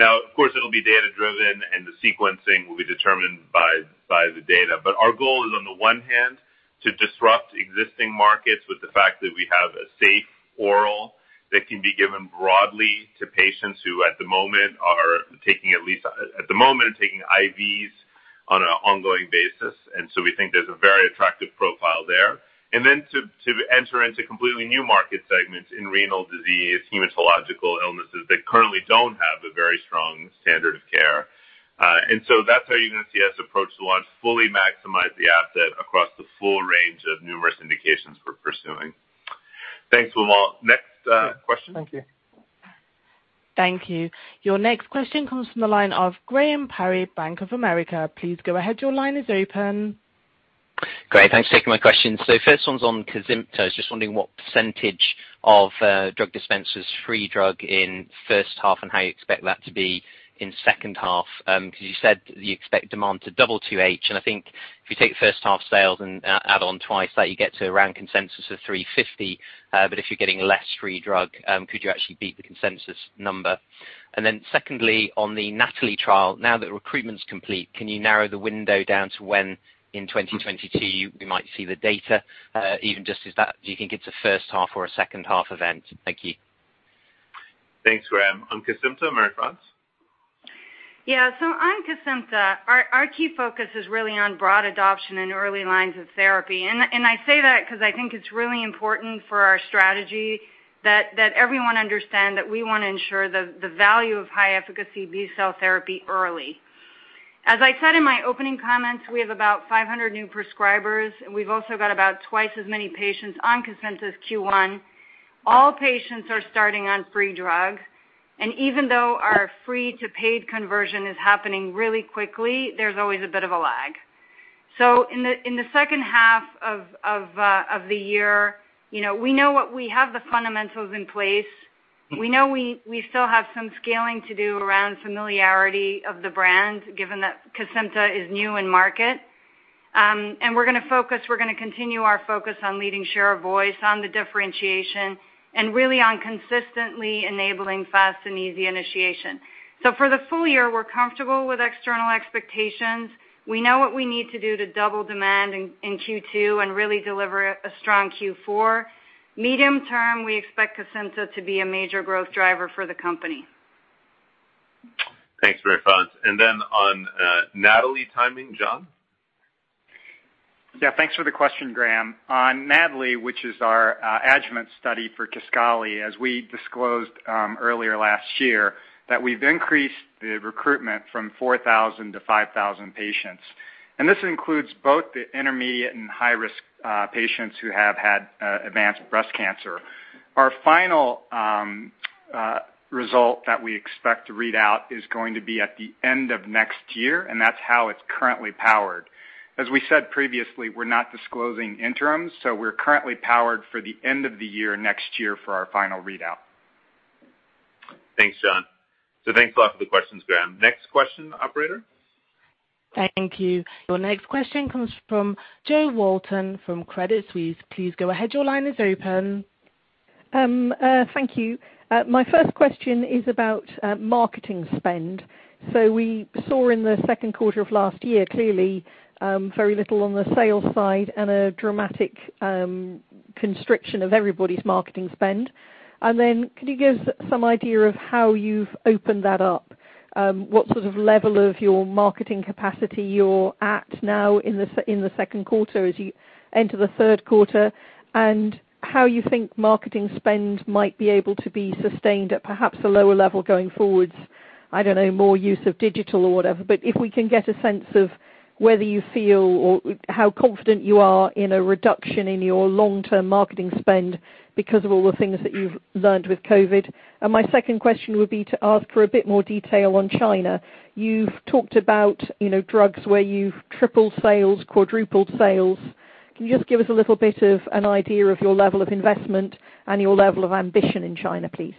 Of course, it'll be data-driven, and the sequencing will be determined by the data. Our goal is, on the one hand, to disrupt existing markets with the fact that we have a safe oral that can be given broadly to patients who at the moment are taking IVs on an ongoing basis, we think there's a very attractive profile there. To enter into completely new market segments in renal disease, hematological illnesses that currently don't have a very strong standard of care. That's how you're going to see us approach the launch, fully maximize the asset across the full range of numerous indications we're pursuing. Thanks, Wimal. Next question. Thank you. Thank you. Your next question comes from the line of Graham Parry, Bank of America. Please go ahead. Great. Thanks for taking my question. First one's on COSENTYX. Just wondering what percentage of drug dispense was free drug in the first half and how you expect that to be in the second half. Because you said you expect demand to double 2H, and I think if you take first half sales and add on twice that, you get to around consensus of $350. If you're getting less free drug, could you actually beat the consensus number? Secondly, on the NATALEE trial, now that recruitment's complete, can you narrow the window down to when in 2022 we might see the data? Even just as that, do you think it's a first half or a second-half event? Thank you. Thanks, Graham. On COSENTYX, Marie-France? On COSENTYX, our key focus is really on broad adoption in early lines of therapy. I say that because I think it's really important for our strategy that everyone understand that we want to ensure the value of high-efficacy B-cell therapy early. As I said in my opening comments, we have about 500 new prescribers. We've also got about twice as many patients on COSENTYX's Q1. All patients are starting on free drug, even though our free to paid conversion is happening really quickly, there's always a bit of a lag. In the second half of the year, we know what we have the fundamentals in place. We know we still have some scaling to do around familiarity of the brand, given that COSENTYX is new in market. We're going to continue our focus on leading share of voice on the differentiation and really on consistently enabling fast and easy initiation. For the full year, we're comfortable with external expectations. We know what we need to do to double demand in Q2 and really deliver a strong Q4. Medium term, we expect COSENTYX to be a major growth driver for the company. Thanks, Marie-France. On NATALEE timing, John? Yeah, thanks for the question, Graham. On NATALEE, which is our adjuvant study for KISQALI, as we disclosed earlier last year, that we've increased the recruitment from 4,000 to 5,000 patients. This includes both the intermediate and high-risk patients who have had advanced breast cancer. Our final result that we expect to read out is going to be at the end of next year, and that's how it's currently powered. As we said previously, we're not disclosing interims, so we're currently powered for the end of the year, next year for our final readout. Thanks, John. Thanks a lot for the questions, Graham. Next question, operator? Thank you. Your next question comes from Jo Walton from Credit Suisse. Please go ahead. Your line is open. Thank you. My first question is about marketing spend. We saw in the second quarter of last year, clearly, very little on the sales side and a dramatic constriction of everybody's marketing spend. Could you give some idea of how you've opened that up? What sort of level of your marketing capacity you're at now in the second quarter as you enter the third quarter? How you think marketing spend might be able to be sustained at perhaps a lower level going forwards, I don't know, more use of digital or whatever, but if we can get a sense of whether you feel or how confident you are in a reduction in your long-term marketing spend because of all the things that you've learned with COVID. My second question would be to ask for a bit more detail on China. You've talked about drugs where you've tripled sales, quadrupled sales. Can you just give us a little bit of an idea of your level of investment and your level of ambition in China, please?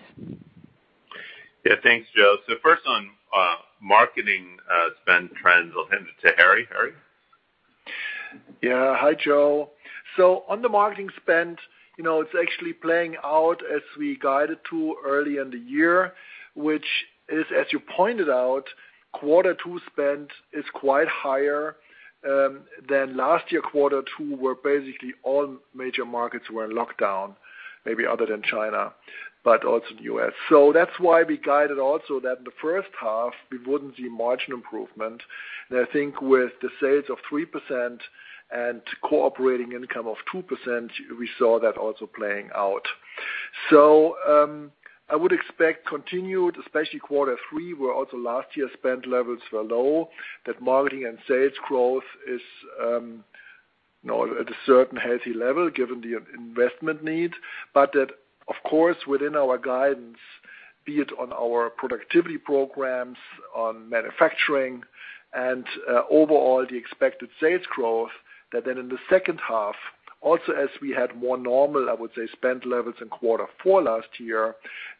Yeah. Thanks, Jo. First on marketing spend trends, I'll hand it to Harry. Harry? Yeah. Hi, Jo. On the marketing spend, it's actually playing out as we guided to early in the year, which is, as you pointed out, quarter two spend is quite higher than last year quarter two, where basically all major markets were in lockdown, maybe other than China, but also the U.S. That's why we guided also that in the first half, we wouldn't see margin improvement. I think with the sales of 3% and core operating income of 2%, we saw that also playing out. I would expect continued, especially quarter three, where also last year spend levels were low, that marketing and sales growth is at a certain healthy level given the investment needs. That, of course, within our guidance, be it on our productivity programs, on manufacturing, and overall the expected sales growth, that then in the second half, also as we had more normal, I would say, spend levels in quarter four last year,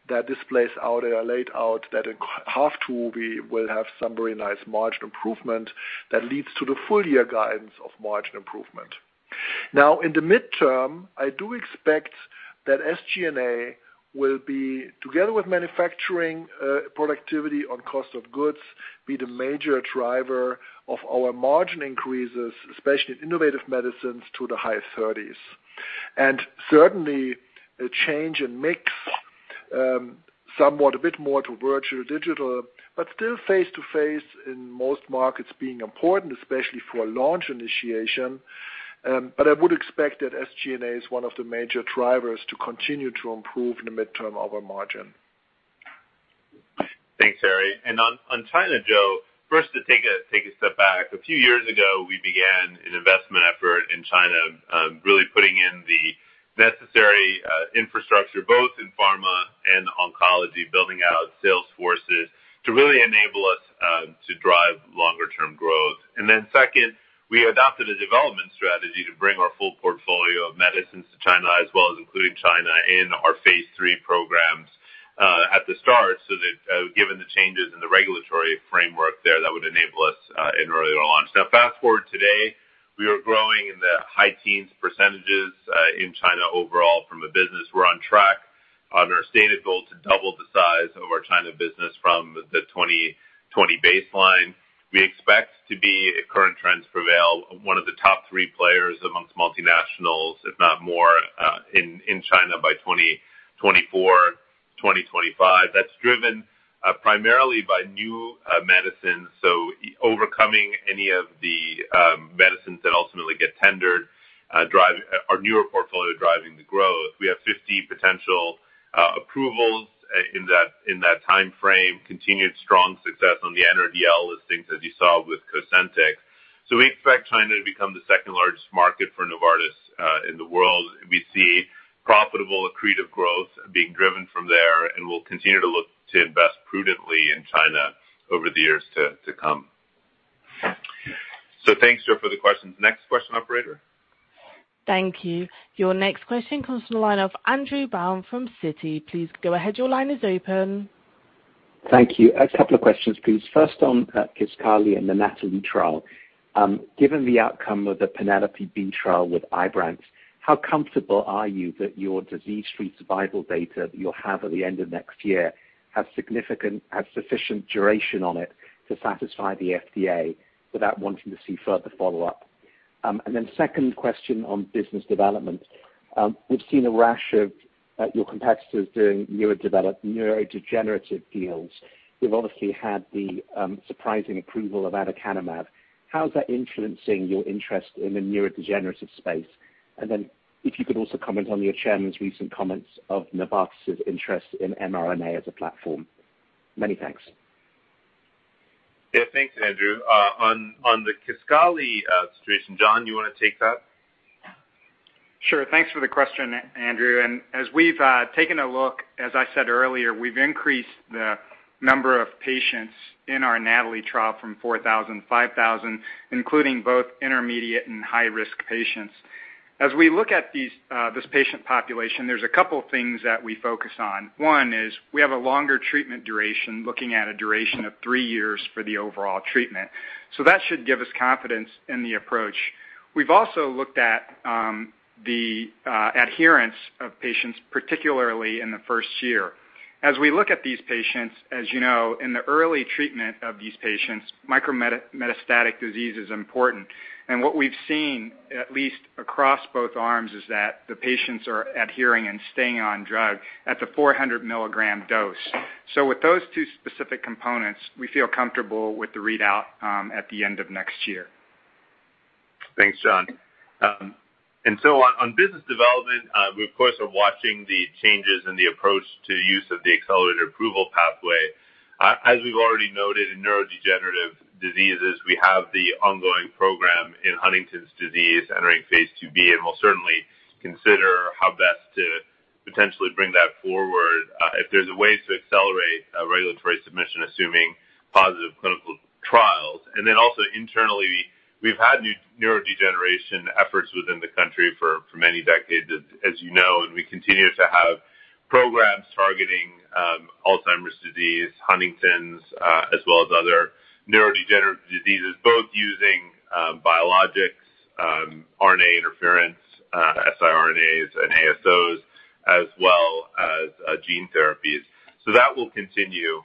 that this plays out or laid out that in half two we will have some very nice margin improvement that leads to the full year guidance of margin improvement. In the midterm, I do expect that SG&A will be, together with manufacturing productivity on cost of goods, be the major driver of our margin increases, especially in Innovative Medicines to the high 30s. Certainly, a change in mix, somewhat a bit more to virtual, digital, but still face-to-face in most markets being important, especially for a launch initiation. I would expect that SG&A is one of the major drivers to continue to improve in the midterm our margin. Thanks, Harry. On China, Jo, first to take a step back. A few years ago, we began an investment effort in China, really putting in the necessary infrastructure, both in pharma and oncology, building out sales forces to really enable us to drive longer term growth. Second, we adopted a development strategy to bring our full portfolio of medicines to China, as well as including China in our phase III programs, at the start, so that given the changes in the regulatory framework there, that would enable us an earlier launch. Fast-forward today, we are growing in the high teens percentages in China overall from a business. We're on track on our stated goal to double the size of our China business from the 2020 baseline. We expect to be, if current trends prevail, one of the top three players amongst multinationals, if not more in China by 2024, 2025. That's driven primarily by new medicines, so overcoming any of the medicines that ultimately get tendered, our newer portfolio driving the growth. We have 50 potential approvals in that time frame, continued strong success on the NRDL listings, as you saw with COSENTYX. We expect China to become the second-largest market for Novartis in the world. We see profitable accretive growth being driven from there, and we'll continue to look to invest prudently in China over the years to come. Thanks, Jo, for the questions. Next question, operator. Thank you. Your next question comes from the line of Andrew Baum from Citi. Please go ahead. Your line is open. Thank you. A couple of questions, please. First on KISQALI and the NATALEE trial. Given the outcome of the PENELOPE-B trial with IBRANCE, how comfortable are you that your disease-free survival data that you'll have at the end of next year have sufficient duration on it to satisfy the FDA without wanting to see further follow-up? Then second question on business development. We've seen a rash of your competitors doing neurodegenerative deals. You've obviously had the surprising approval of aducanumab. How is that influencing your interest in the neurodegenerative space? Then if you could also comment on your chairman's recent comments of Novartis' interest in mRNA as a platform. Many thanks. Yeah. Thanks, Andrew. On the KISQALI situation, John, you want to take that? Sure. Thanks for the question, Andrew. As we've taken a look, as I said earlier, we've increased the number of patients in our NATALEE trial from 4,000, 5,000, including both intermediate and high-risk patients. As we look at this patient population, there's a couple things that we focus on. One is we have a longer treatment duration, looking at a duration of three years for the overall treatment. That should give us confidence in the approach. We've also looked at the adherence of patients, particularly in the first year. As we look at these patients, as you know, in the early treatment of these patients, micrometastatic disease is important. What we've seen, at least across both arms, is that the patients are adhering and staying on drug at the 400 mg dose. With those two specific components, we feel comfortable with the readout at the end of next year. Thanks, John. On business development, we of course are watching the changes in the approach to use of the accelerated approval pathway. As we've already noted, in neurodegenerative diseases, we have the ongoing program in Huntington's disease entering phase II-B, and we'll certainly consider how best to potentially bring that forward if there's a way to accelerate a regulatory submission, assuming positive clinical trials. Also internally, we've had neurodegeneration efforts within the country for many decades, as you know, and we continue to have programs targeting Alzheimer's disease, Huntington's, as well as other neurodegenerative diseases, both using biologics, RNA interference, siRNAs, and ASOs, as well as gene therapies. That will continue.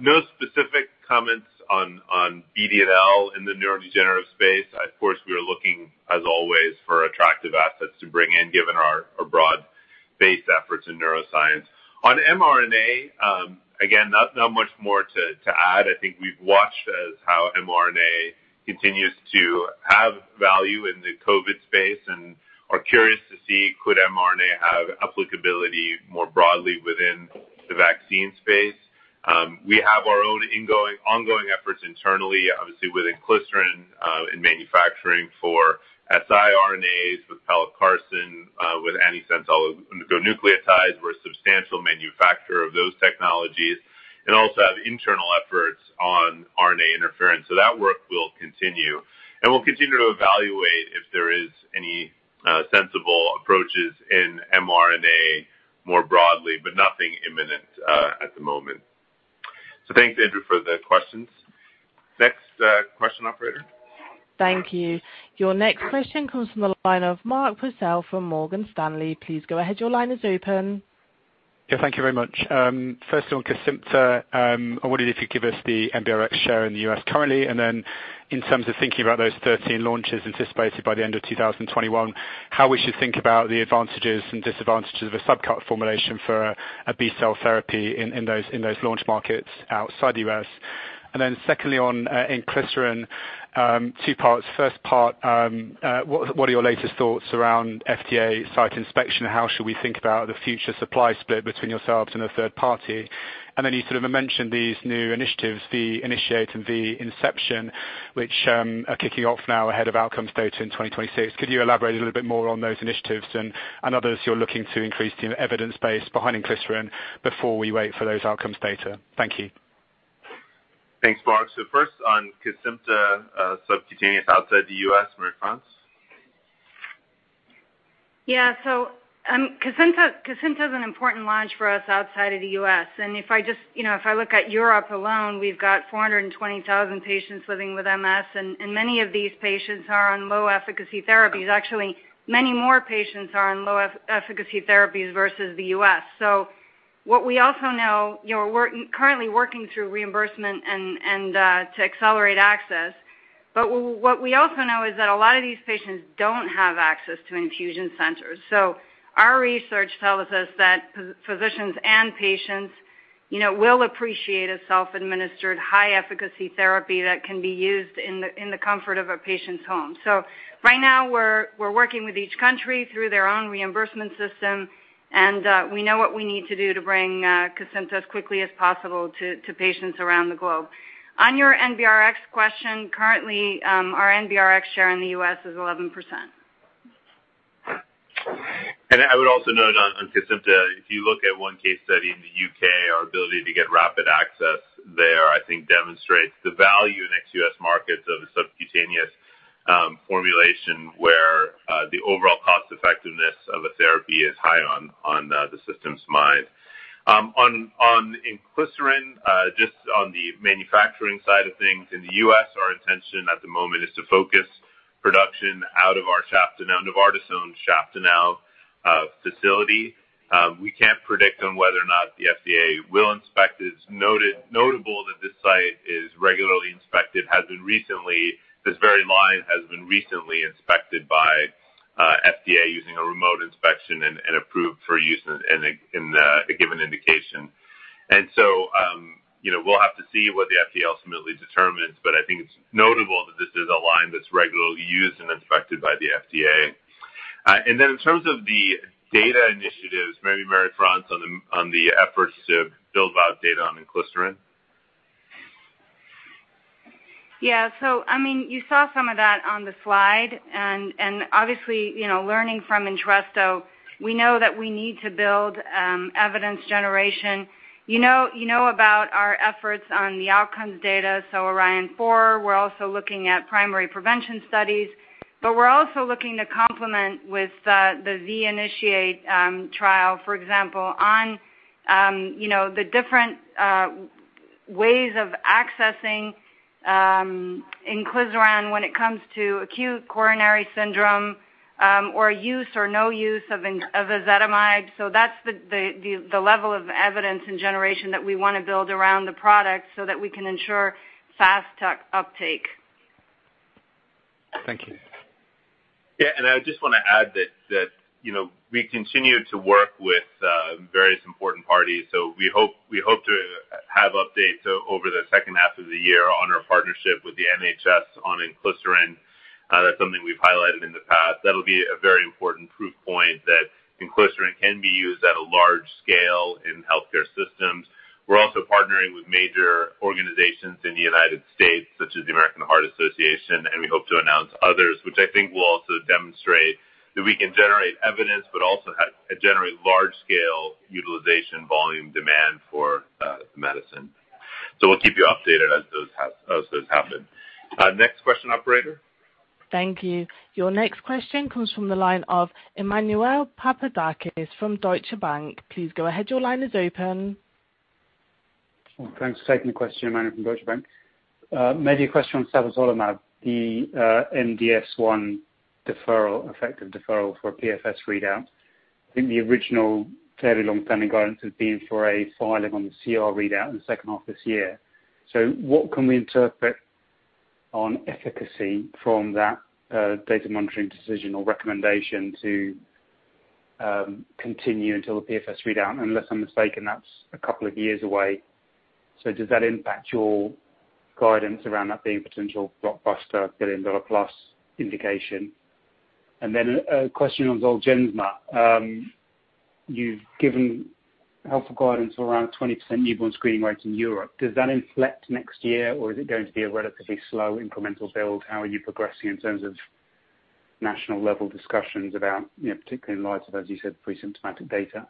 No specific comments on BD&L in the neurodegenerative space. Of course, we are looking, as always, for attractive assets to bring in, given our broad-based efforts in neuroscience. On mRNA, again, not much more to add. I think we've watched how mRNA continues to have value in the COVID space and are curious to see could mRNA have applicability more broadly within the vaccine space. We have our own ongoing efforts internally, obviously with inclisiran in manufacturing for siRNAs, with pelacarsen, with antisense oligonucleotides. We're a substantial manufacturer of those technologies, and also have internal efforts on RNA interference. That work will continue, and we'll continue to evaluate if there is any sensible approaches in mRNA more broadly, but nothing imminent at the moment. Thanks, Andrew, for the questions. Next, question operator. Thank you. Your next question comes from the line of Mark Purcell from Morgan Stanley. Please go ahead. Your line is open. Yeah, thank you very much. First on KESIMPTA, I wonder if you could give us the NBRx share in the U.S. currently, then in terms of thinking about those 13 launches anticipated by the end of 2021, how we should think about the advantages and disadvantages of a subcut formulation for a B-cell therapy in those launch markets outside the U.S. Secondly, on inclisiran, two parts. First part, what are your latest thoughts around FDA site inspection? How should we think about the future supply split between yourselves and a third party? You sort of mentioned these new initiatives, V-INITIATE and V-INCEPTION, which are kicking off now ahead of outcomes data in 2026. Could you elaborate a little bit more on those initiatives and others you're looking to increase the evidence base behind inclisiran before we wait for those outcomes data? Thank you. Thanks, Mark. First on KESIMPTA subcutaneous outside the U.S., Marie-France? Yeah. KESIMPTA is an important launch for us outside of the U.S. If I look at Europe alone, we've got 420,000 patients living with MS, and many of these patients are on low-efficacy therapies. Actually, many more patients are on low-efficacy therapies versus the U.S. We're currently working through reimbursement and to accelerate access. What we also know is that a lot of these patients don't have access to infusion centers. Our research tells us that physicians and patients will appreciate a self-administered, high-efficacy therapy that can be used in the comfort of a patient's home. Right now, we're working with each country through their own reimbursement system, and we know what we need to do to bring KESIMPTA as quickly as possible to patients around the globe. On your NBRx question, currently, our NBRx share in the U.S. is 11%. I would also note on KESIMPTA, if you look at one case study in the U.K., our ability to get rapid access there, I think, demonstrates the value in ex-US markets of a subcutaneous formulation where the overall cost effectiveness of a therapy is high on the system's mind. On inclisiran, just on the manufacturing side of things, in the US, our intention at the moment is to focus production out of Novartis-owned Schaftenau facility. We can't predict on whether or not the FDA will inspect it. Notable that this site is regularly inspected, this very line has been recently inspected by FDA using a remote inspection and approved for use in a given indication. So, we'll have to see what the FDA ultimately determines, but I think it's notable that this is a line that's regularly used and inspected by the FDA. In terms of the data initiatives, maybe Marie-France on the efforts to build out data on inclisiran. Yeah. You saw some of that on the slide, and obviously, learning from ENTRESTO, we know that we need to build evidence generation. You know about our efforts on the outcomes data, so ORION-4. We're also looking at primary prevention studies. We're also looking to complement with the V-INITIATE trial, for example, on the different ways of accessing inclisiran when it comes to acute coronary syndrome or use or no use of ezetimibe. That's the level of evidence and generation that we want to build around the product so that we can ensure fast uptake. Thank you. I just want to add that we continue to work with various important parties. We hope to have updates over the second half of the year on our partnership with the NHS on inclisiran. That's something we've highlighted in the past. That'll be a very important proof point that inclisiran can be used at a large scale in healthcare systems. We're also partnering with major organizations in the U.S., such as the American Heart Association, and we hope to announce others, which I think will also demonstrate that we can generate evidence, but also generate large-scale utilization volume demand for medicine. We'll keep you updated as those happen. Next question, operator. Thank you. Your next question comes from the line of Emmanuel Papadakis from Deutsche Bank. Please go ahead. Your line is open. Well, thanks for taking the question. Emmanuel from Deutsche Bank. Maybe a question on sabatolimab, the MDS1 effective deferral for a PFS readout. I think the original fairly long-standing guidance has been for a filing on the CR readout in the second half of this year. What can we interpret on efficacy from that data monitoring decision or recommendation to continue until the PFS readout? Unless I'm mistaken, that's a couple of years away. Does that impact your guidance around that being potential blockbuster $1 billion+ indication? A question on ZOLGENSMA. You've given helpful guidance around 20% newborn screening rates in Europe. Does that inflect next year, or is it going to be a relatively slow incremental build? How are you progressing in terms of national-level discussions about, particularly in light of, as you said, presymptomatic data?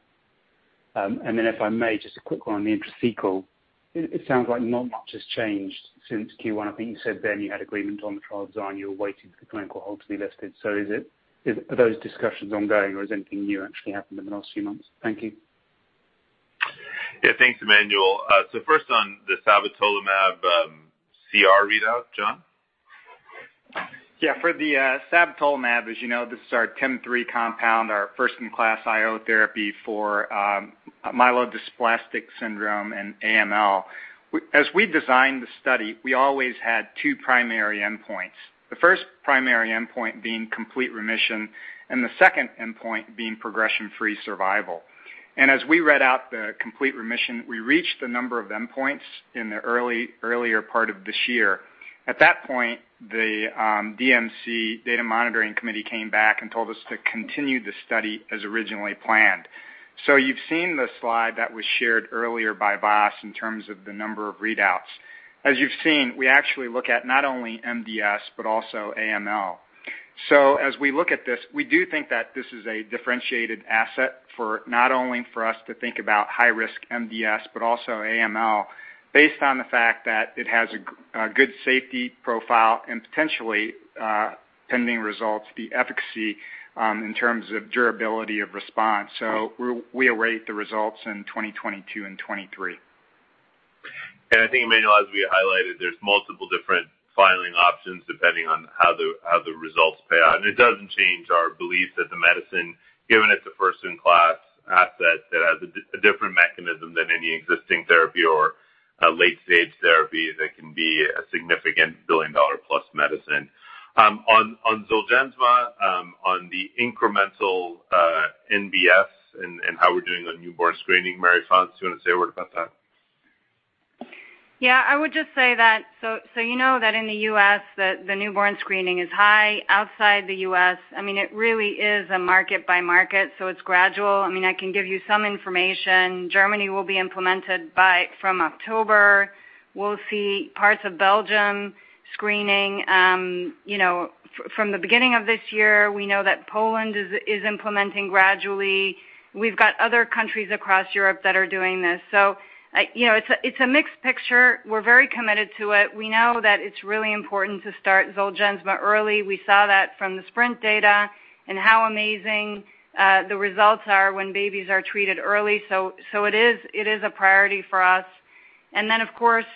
If I may, just a quick one on the intrathecal. It sounds like not much has changed since Q1. I think you said then you had agreement on the trial design. You were waiting for the clinical hold to be lifted. Are those discussions ongoing, or has anything new actually happened in the last few months? Thank you. Yeah. Thanks, Emmanuel. First on the sabatolimab CR readout. John? Yeah, for the sabatolimab, as you know, this is our TIM-3 compound, our first-in-class IO therapy for myelodysplastic syndrome and AML. As we designed the study, we always had two primary endpoints, the first primary endpoint being complete remission and the second endpoint being progression-free survival. As we read out the complete remission, we reached the number of endpoints in the earlier part of this year. At that point, the DMC, Data Monitoring Committee, came back and told us to continue the study as originally planned. You've seen the slide that was shared earlier by Vas in terms of the number of readouts. As you've seen, we actually look at not only MDS, but also AML. As we look at this, we do think that this is a differentiated asset for not only for us to think about high-risk MDS, but also AML, based on the fact that it has a good safety profile and potentially, pending results, the efficacy in terms of durability of response. We await the results in 2022 and 2023. I think, Emmanuel, as we highlighted, there's multiple different filing options depending on how the results play out. It doesn't change our belief that the medicine, given it's a first-in-class asset that has a different mechanism than any existing therapy or a late-stage therapy, that it can be a significant $1 billion+ medicine. On ZOLGENSMA, on the incremental NBS and how we're doing on newborn screening, Marie-France, do you want to say a word about that? I would just say that, you know that in the U.S. that the newborn screening is high. Outside the U.S., it really is a market-by-market, it's gradual. I can give you some information. Germany will be implemented from October. We'll see parts of Belgium screening from the beginning of this year. We know that Poland is implementing gradually. We've got other countries across Europe that are doing this. It's a mixed picture. We're very committed to it. We know that it's really important to start ZOLGENSMA early. We saw that from the SPR1NT data and how amazing the results are when babies are treated early. It is a priority for us. Of course,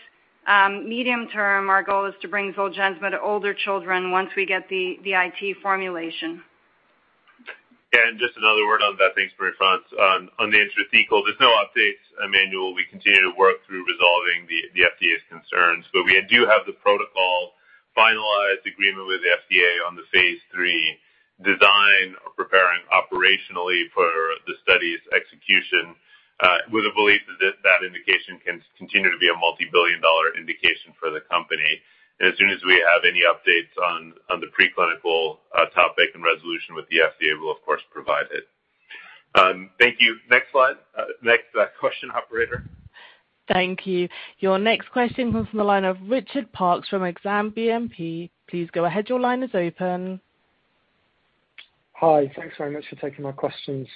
medium-term, our goal is to bring ZOLGENSMA to older children once we get the IT formulation. Yeah, just another word on that. Thanks, Marie-France. On the intrathecal, there's no updates, Emmanuel. We continue to work through resolving the FDA's concerns. We do have the protocol finalized agreement with the FDA on the phase III design. We're preparing operationally for the study's execution with a belief that that indication can continue to be a multibillion-dollar indication for the company. As soon as we have any updates on the preclinical topic and resolution with the FDA, we'll of course provide it. Thank you. Next slide. Next question, operator. Thank you. Your next question comes from the line of Richard Parkes from Exane BNP. Please go ahead. Hi. Thanks very much for taking my questions.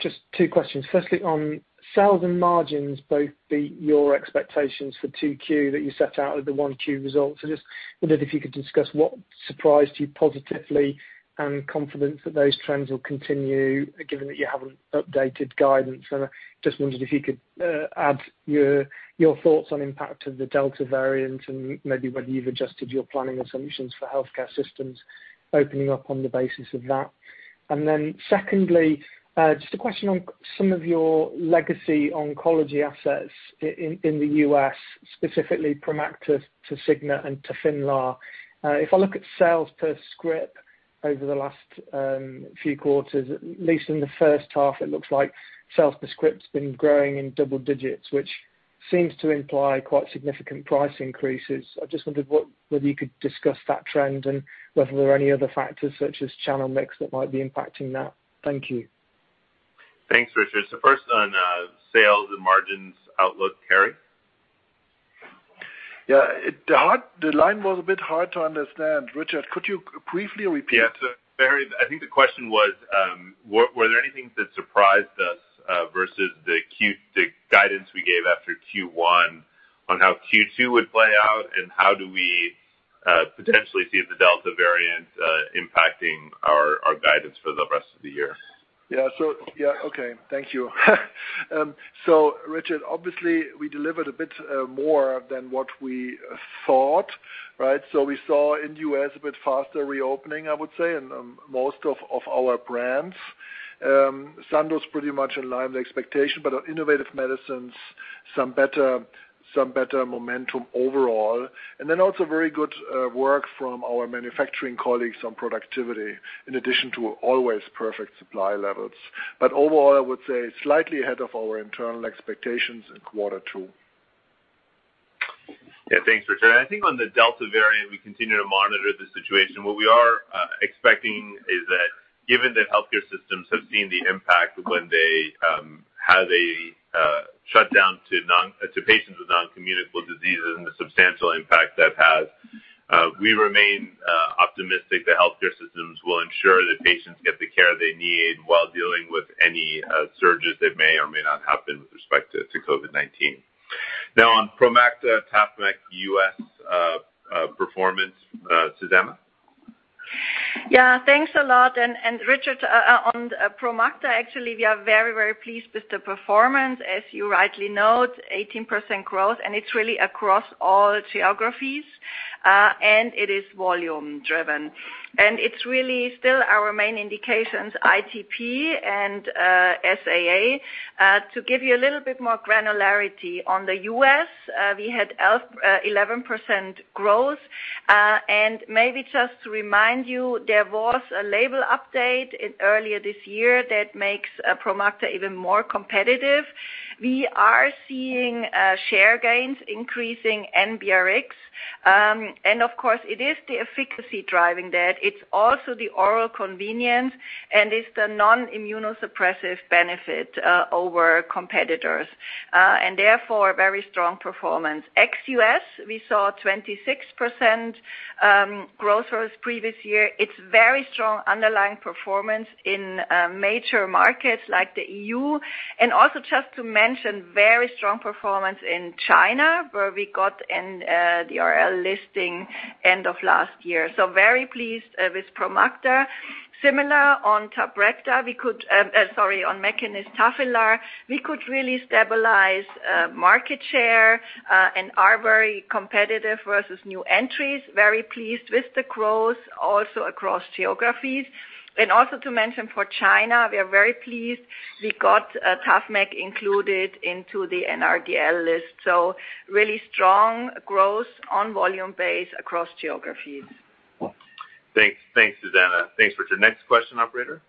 Just two questions. Firstly, on sales and margins, both your expectations for 2Q that you set out with the 1Q results. I just wondered if you could discuss what surprised you positively and confidence that those trends will continue, given that you haven't updated guidance. I just wondered if you could add your thoughts on impact of the Delta variant and maybe whether you've adjusted your planning assumptions for healthcare systems opening up on the basis of that. Secondly, just a question on some of your legacy oncology assets in the U.S., specifically PROMACTA, TASIGNA, and TAFINLAR. If I look at sales per script over the last few quarters, at least in the first half, it looks like sales per script's been growing in double digits, which seems to imply quite significant price increases. I just wondered whether you could discuss that trend and whether there are any other factors such as channel mix that might be impacting that. Thank you. Thanks, Richard. First on sales and margins outlook, Harry? Yeah. The line was a bit hard to understand. Richard, could you briefly repeat? Yeah. Harry, I think the question was, were there any things that surprised us versus the guidance we gave after Q1 on how Q2 would play out, and how do we potentially see the Delta variant impacting our guidance for the rest of the year? Yeah. Okay. Thank you. Richard, obviously, we delivered a bit more than what we thought. We saw in the U.S. a bit faster reopening, I would say, in most of our brands. Sandoz pretty much in line with expectation, but on Innovative Medicines, some better momentum overall. Also very good work from our manufacturing colleagues on productivity, in addition to always perfect supply levels. Overall, I would say slightly ahead of our internal expectations in quarter two. Yeah. Thanks, Richard. I think on the Delta variant, we continue to monitor the situation. What we are expecting is that given that healthcare systems have seen the impact when they had a shutdown to patients with non-communicable diseases and the substantial impact that had, we remain optimistic that healthcare systems will ensure that patients get the care they need while dealing with any surges that may or may not happen with respect to COVID-19. Now on PROMACTA, TAFMEK U.S. performance, Susanne? Yeah, thanks a lot. Richard, on PROMACTA, actually, we are very, very pleased with the performance. As you rightly note, 18% growth, it's really across all geographies. It is volume driven. It's really still our main indications, ITP and SAA. To give you a little bit more granularity, on the U.S., we had 11% growth. Maybe just to remind you, there was a label update earlier this year that makes PROMACTA even more competitive. We are seeing share gains increasing NRx. Of course, it is the efficacy driving that. It's also the oral convenience and it's the non-immunosuppressive benefit over competitors. Therefore, very strong performance. Ex-U.S., we saw 26% growth versus previous year. It's very strong underlying performance in major markets like the EU. Also just to mention, very strong performance in China, where we got an NRDL listing end of last year. Very pleased with PROMACTA. Similar on MEKINIST, TAFINLAR. We could really stabilize market share and are very competitive versus new entries. Very pleased with the growth also across geographies. Also to mention for China, we are very pleased we got TAFMEK included into the NRDL list. Really strong growth on volume base across geographies. Thanks, Susanne. Thanks, Richard. Next question, operator.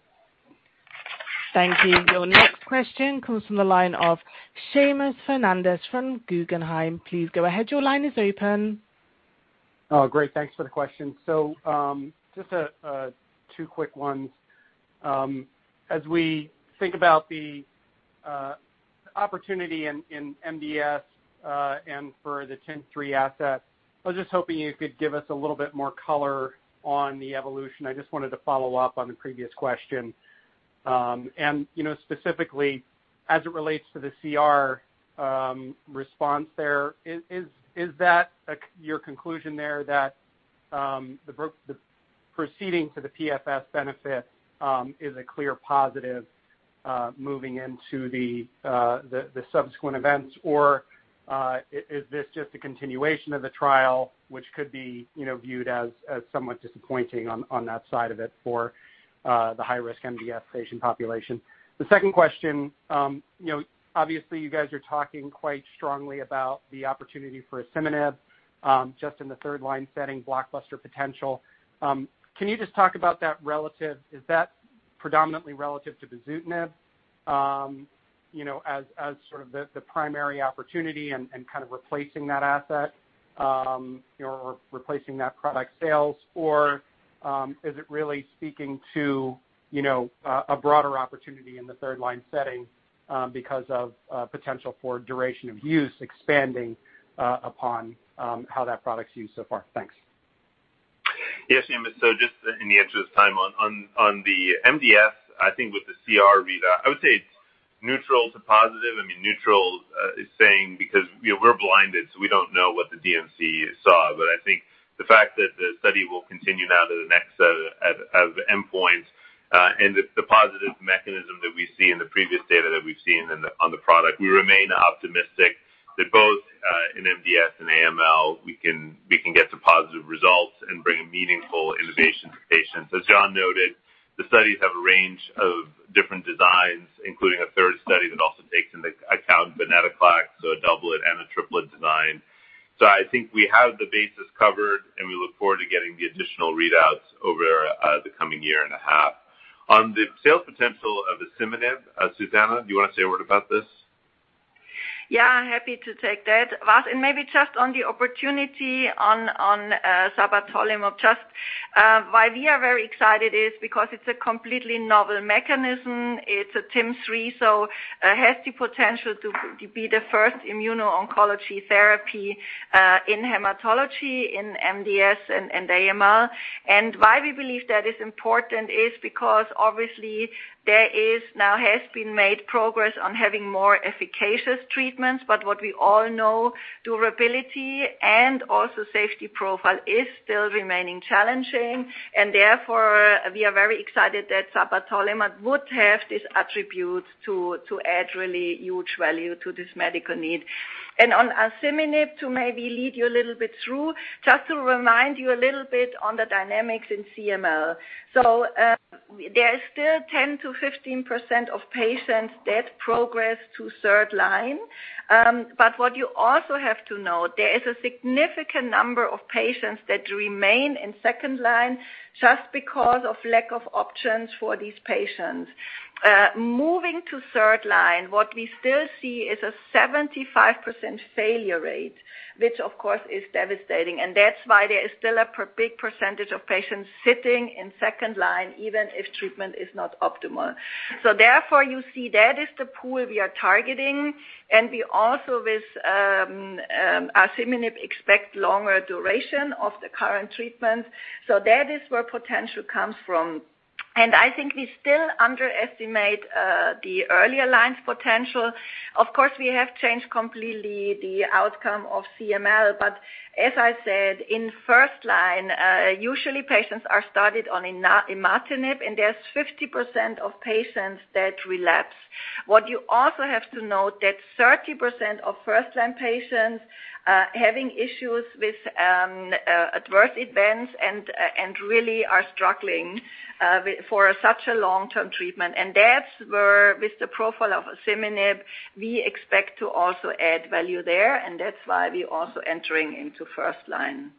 Thank you. Your next question comes from the line of Seamus Fernandez from Guggenheim. Please go ahead. Your line is open. Great. Thanks for the question. Just two quick ones. As we think about the opportunity in MDS and for the TIM-3 asset, I was just hoping you could give us a little bit more color on the evolution. I just wanted to follow up on the previous question. Specifically as it relates to the CR response there, is that your conclusion there that the proceeding to the PFS benefit is a clear positive moving into the subsequent events, or is this just a continuation of the trial, which could be viewed as somewhat disappointing on that side of it for the high-risk MDS patient population? The second question. You guys are talking quite strongly about the opportunity for asciminib just in the third-line setting, blockbuster potential. Can you just talk about that relative? Is that predominantly relative to the bosutinib as sort of the primary opportunity and kind of replacing that asset or replacing that product sales, or is it really speaking to a broader opportunity in the third-line setting because of potential for duration of use expanding upon how that product's used so far? Thanks. Yeah, Seamus. Just in the interest of time, on the MDS, I think with the CR readout, I would say it's neutral to positive. Neutral is saying because we're blinded, we don't know what the DMC saw. I think the fact that the study will continue now to the next set of endpoints and the positive mechanism that we see in the previous data that we've seen on the product, we remain optimistic that both in MDS and AML, we can get to positive results and bring meaningful innovation to patients. As John noted, the studies have a range of different designs, including a third study that also takes into account venetoclax, a doublet and a triplet design. I think we have the bases covered, we look forward to getting the additional readouts over the coming year and a half. On the sales potential of asciminib, Susanne, do you want to say a word about this? Yeah, happy to take that, Vas. Maybe just on the opportunity on sabatolimab, just why we are very excited is because it's a completely novel mechanism. It's a TIM-3, so it has the potential to be the first immuno-oncology therapy in hematology, in MDS and AML. Why we believe that is important is because obviously there now has been made progress on having more efficacious treatments, but what we all know, durability and also safety profile is still remaining challenging. Therefore, we are very excited that sabatolimab would have this attribute to add really huge value to this medical need. On asciminib, to maybe lead you a little bit through, just to remind you a little bit on the dynamics in CML. There is still 10%-15% of patients that progress to third-line. What you also have to note, there is a significant number of patients that remain in second-line just because of lack of options for these patients. Moving to third-line, what we still see is a 75% failure rate, which of course is devastating. That's why there is still a big percentage of patients sitting in second-line, even if treatment is not optimal. Therefore, you see that is the pool we are targeting. We also, with asciminib, expect longer duration of the current treatment. That is where potential comes from. I think we still underestimate the earlier lines' potential. Of course, we have changed completely the outcome of CML. As I said, in first-line, usually patients are started on imatinib, and there is 50% of patients that relapse. What you also have to note that 30% of first-line patients are having issues with adverse events and really are struggling for such a long-term treatment. That's where, with the profile of asciminib, we expect to also add value there, and that's why we're also entering into first-line.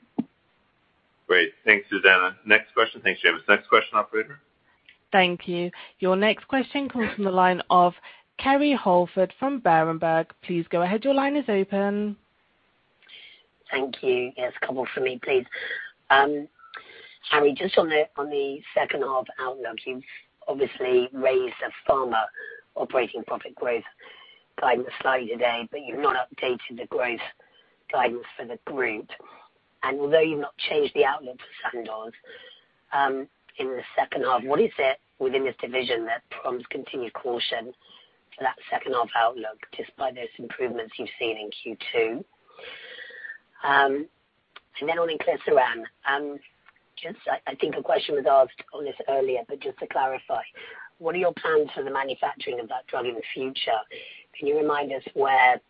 Great. Thanks, Susanne. Next question. Thanks, Seamus. Next question, operator. Thank you. Your next question comes from the line of Kerry Holford from Berenberg. Please go ahead. Your line is open. Thank you. Yes, a couple from me, please. Harry, just on the second half outlook, you've obviously raised the pharma operating profit growth guidance slightly today, but you've not updated the growth guidance for the group. Although you've not changed the outlook for Sandoz in the second half, what is it within this division that prompts continued caution for that second half outlook, despite those improvements you've seen in Q2? Then on inclisiran. I think a question was asked on this earlier, but just to clarify, what are your plans for the manufacturing of that drug in the future? Can you remind us where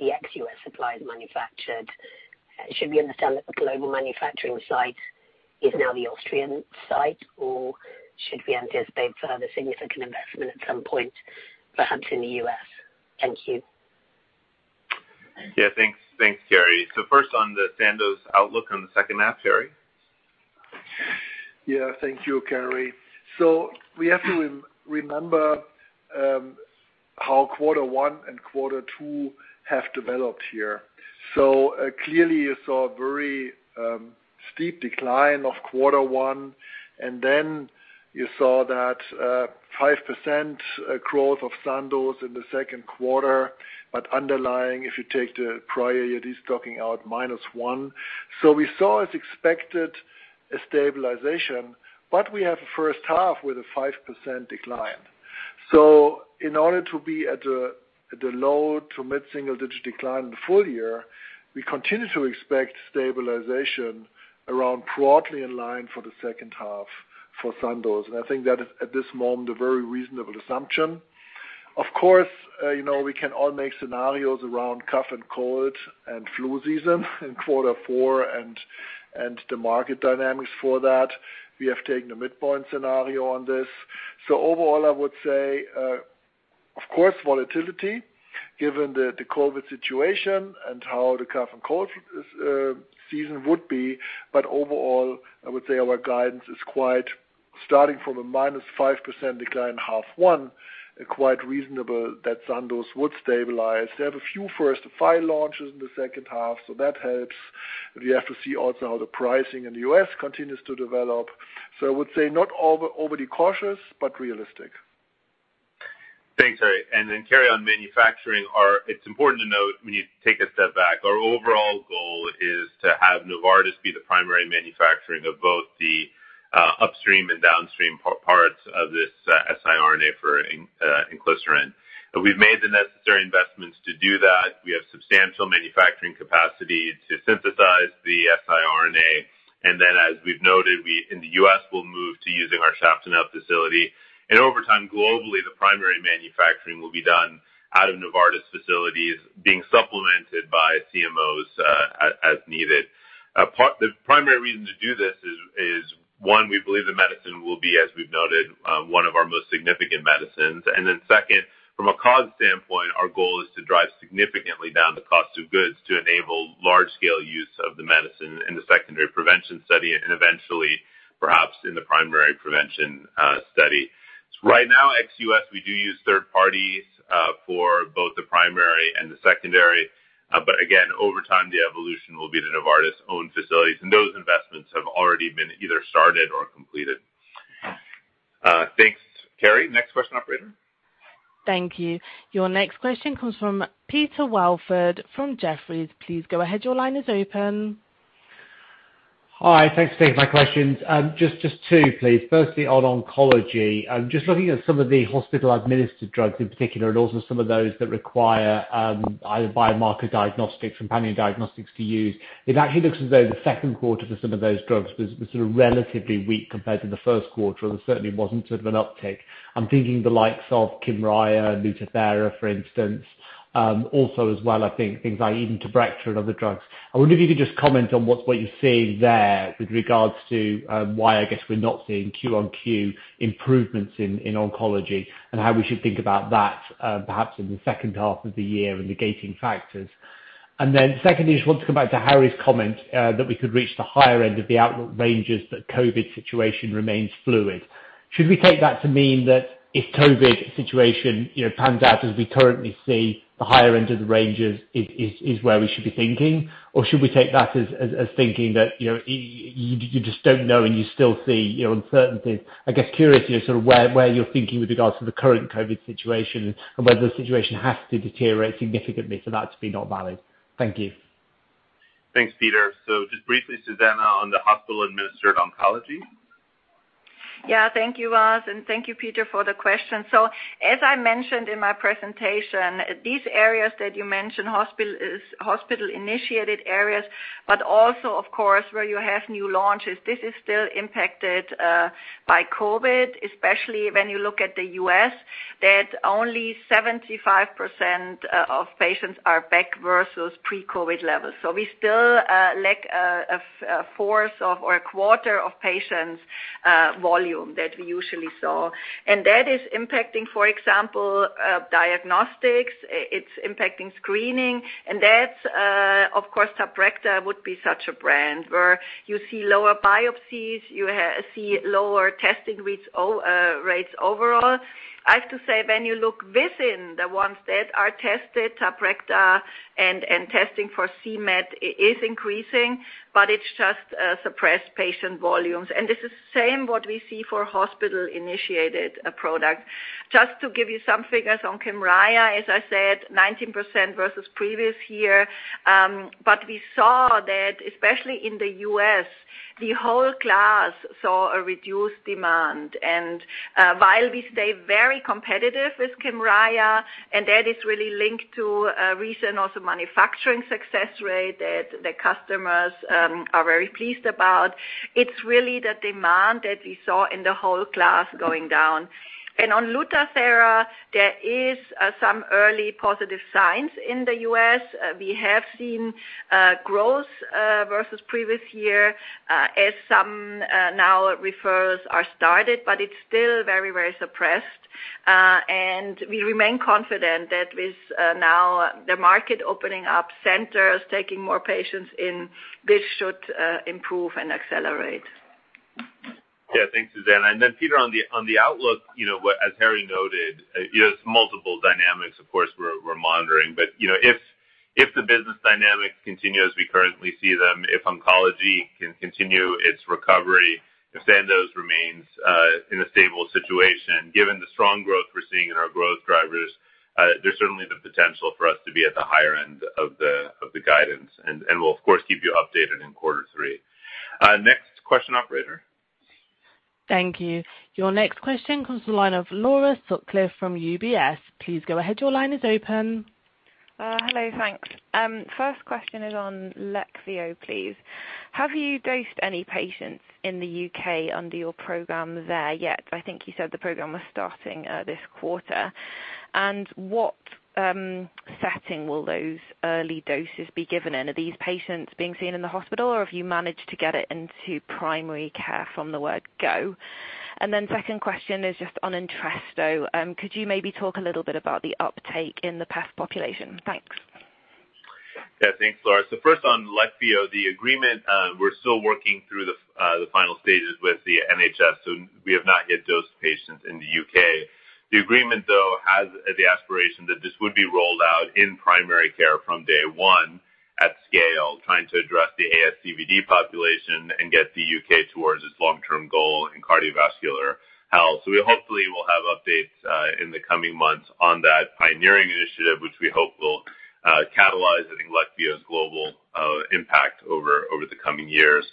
the ex-U.S. supply is manufactured? Should we understand that the global manufacturing site is now the Austrian site, or should we anticipate further significant investment at some point, perhaps in the U.S.? Thank you. Yeah, thanks, Kerry. First on the Sandoz outlook on the second half, Harry. Yeah. Thank you, Kerry. We have to remember how quarter one and quarter two have developed here. Clearly you saw a very steep decline of quarter one, and then you saw that 5% growth of Sandoz in the second quarter. Underlying, if you take the prior year, it is talking out -1. We saw, as expected, a stabilization, but we have a first half with a 5% decline. In order to be at the low- to mid-single-digit decline in the full year, we continue to expect stabilization around broadly in line for the second half for Sandoz. I think that is, at this moment, a very reasonable assumption. Of course, we can all make scenarios around cough and cold and flu season in quarter four and the market dynamics for that. We have taken a midpoint scenario on this. Overall, I would say, of course, volatility, given the COVID situation and how the cough and cold season would be. Overall, I would say our guidance is quite, starting from a -5% decline in half one, quite reasonable that Sandoz would stabilize. They have a few first file launches in the second half, so that helps. We have to see also how the pricing in the U.S. continues to develop. I would say not overly cautious, but realistic. Thanks, Harry. Kerry, on manufacturing, it's important to note when you take a step back, our overall goal is to have Novartis be the primary manufacturer of both the upstream and downstream parts of this siRNA for inclisiran. We've made the necessary investments to do that. We have substantial manufacturing capacity to synthesize the siRNA. As we've noted, in the U.S., we'll move to using our Schaftenau facility. Over time, globally, the primary manufacturing will be done out of Novartis facilities being supplemented by CMOs as needed. The primary reason to do this is one, we believe the medicine will be, as we've noted, one of our most significant medicines. Second, from a cost standpoint, our goal is to drive significantly down the cost of goods to enable large-scale use of the medicine in the secondary prevention study and eventually perhaps in the primary prevention study. Right now, ex U.S., we do use third parties for both the primary and the secondary. Over time, the evolution will be the Novartis-owned facilities, and those investments have already been either started or completed. Thanks, Kerry. Next question, operator. Thank you. Your next question comes from Peter Welford from Jefferies. Please go ahead. Your line is open. Hi. Thanks for taking my questions. Just two, please. Firstly, on oncology, just looking at some of the hospital-administered drugs in particular, and also some of those that require either biomarker diagnostics, companion diagnostics to use, it actually looks as though the second quarter for some of those drugs was sort of relatively weak compared to the first quarter, or there certainly wasn't sort of an uptick. I'm thinking the likes of KYMRIAH and LUTATHERA, for instance. Also as well, I think things like even TABRECTA and other drugs. I wonder if you could just comment on what you're seeing there with regards to why, I guess, we're not seeing Q-on-Q improvements in oncology and how we should think about that perhaps in the second half of the year and the gating factors. Secondly, I just want to come back to Harry's comment that we could reach the higher end of the outlook ranges, but COVID situation remains fluid. Should we take that to mean that if COVID situation pans out as we currently see, the higher end of the ranges is where we should be thinking? Should we take that as thinking that you just don't know, and you still see uncertainties? I guess, curious where you're thinking with regards to the current COVID situation and whether the situation has to deteriorate significantly for that to be not valid. Thank you. Thanks, Peter. Just briefly, Susanne, on the hospital-administered oncology. Yeah. Thank you, Vas, and thank you, Peter, for the question. As I mentioned in my presentation, these areas that you mentioned, hospital-initiated areas, but also, of course, where you have new launches. This is still impacted by COVID, especially when you look at the U.S., that only 75% of patients are back versus pre-COVID levels. We still lack a fourth or 1/4 of patients volume that we usually saw. That is impacting, for example, diagnostics. It's impacting screening. That's, of course, TABRECTA would be such a brand where you see lower biopsies, you see lower testing rates overall. I have to say, when you look within the ones that are tested, TABRECTA and testing for c-Met is increasing, but it's just suppressed patient volumes. This is same what we see for hospital-initiated product. Just to give you some figures on KYMRIAH, as I said, 19% versus previous year. We saw that especially in the U.S., the whole class saw a reduced demand. While we stay very competitive with KYMRIAH, that is really linked to recent also manufacturing success rate that the customers are very pleased about. It's really the demand that we saw in the whole class going down. On LUTATHERA, there is some early positive signs in the U.S. We have seen growth versus previous year as some now referrals are started, but it's still very suppressed. We remain confident that with now the market opening up, centers taking more patients in, this should improve and accelerate. Yeah. Thanks, Susanne. Then Peter, on the outlook, as Harry noted, there are multiple dynamics, of course, we are monitoring. If the business dynamics continue as we currently see them, if oncology can continue its recovery, if Sandoz remains in a stable situation, given the strong growth we are seeing in our growth drivers, there is certainly the potential for us to be at the higher end of the guidance, and we will of course, keep you updated in quarter three. Next question, operator. Thank you. Your next question comes from the line of Laura Sutcliffe from UBS. Please go ahead. Your line is open. Hello. Thanks. First question is on LEQVIO, please. Have you dosed any patients in the U.K. under your program there yet? I think you said the program was starting this quarter. What setting will those early doses be given in? Are these patients being seen in the hospital, or have you managed to get it into primary care from the word go? Second question is just on ENTRESTO. Could you maybe talk a little bit about the uptake in the HFpEF population? Thanks. Yeah. Thanks, Laura. First on LEQVIO, the agreement, we're still working through the final stages with the NHS, so we have not yet dosed patients in the U.K. The agreement, though, has the aspiration that this would be rolled out in primary care from day one at scale, trying to address the ASCVD population and get the U.K. towards its long-term goal in cardiovascular health. We hopefully will have updates in the coming months on that pioneering initiative, which we hope will catalyze I think LEQVIO's global impact over the coming years.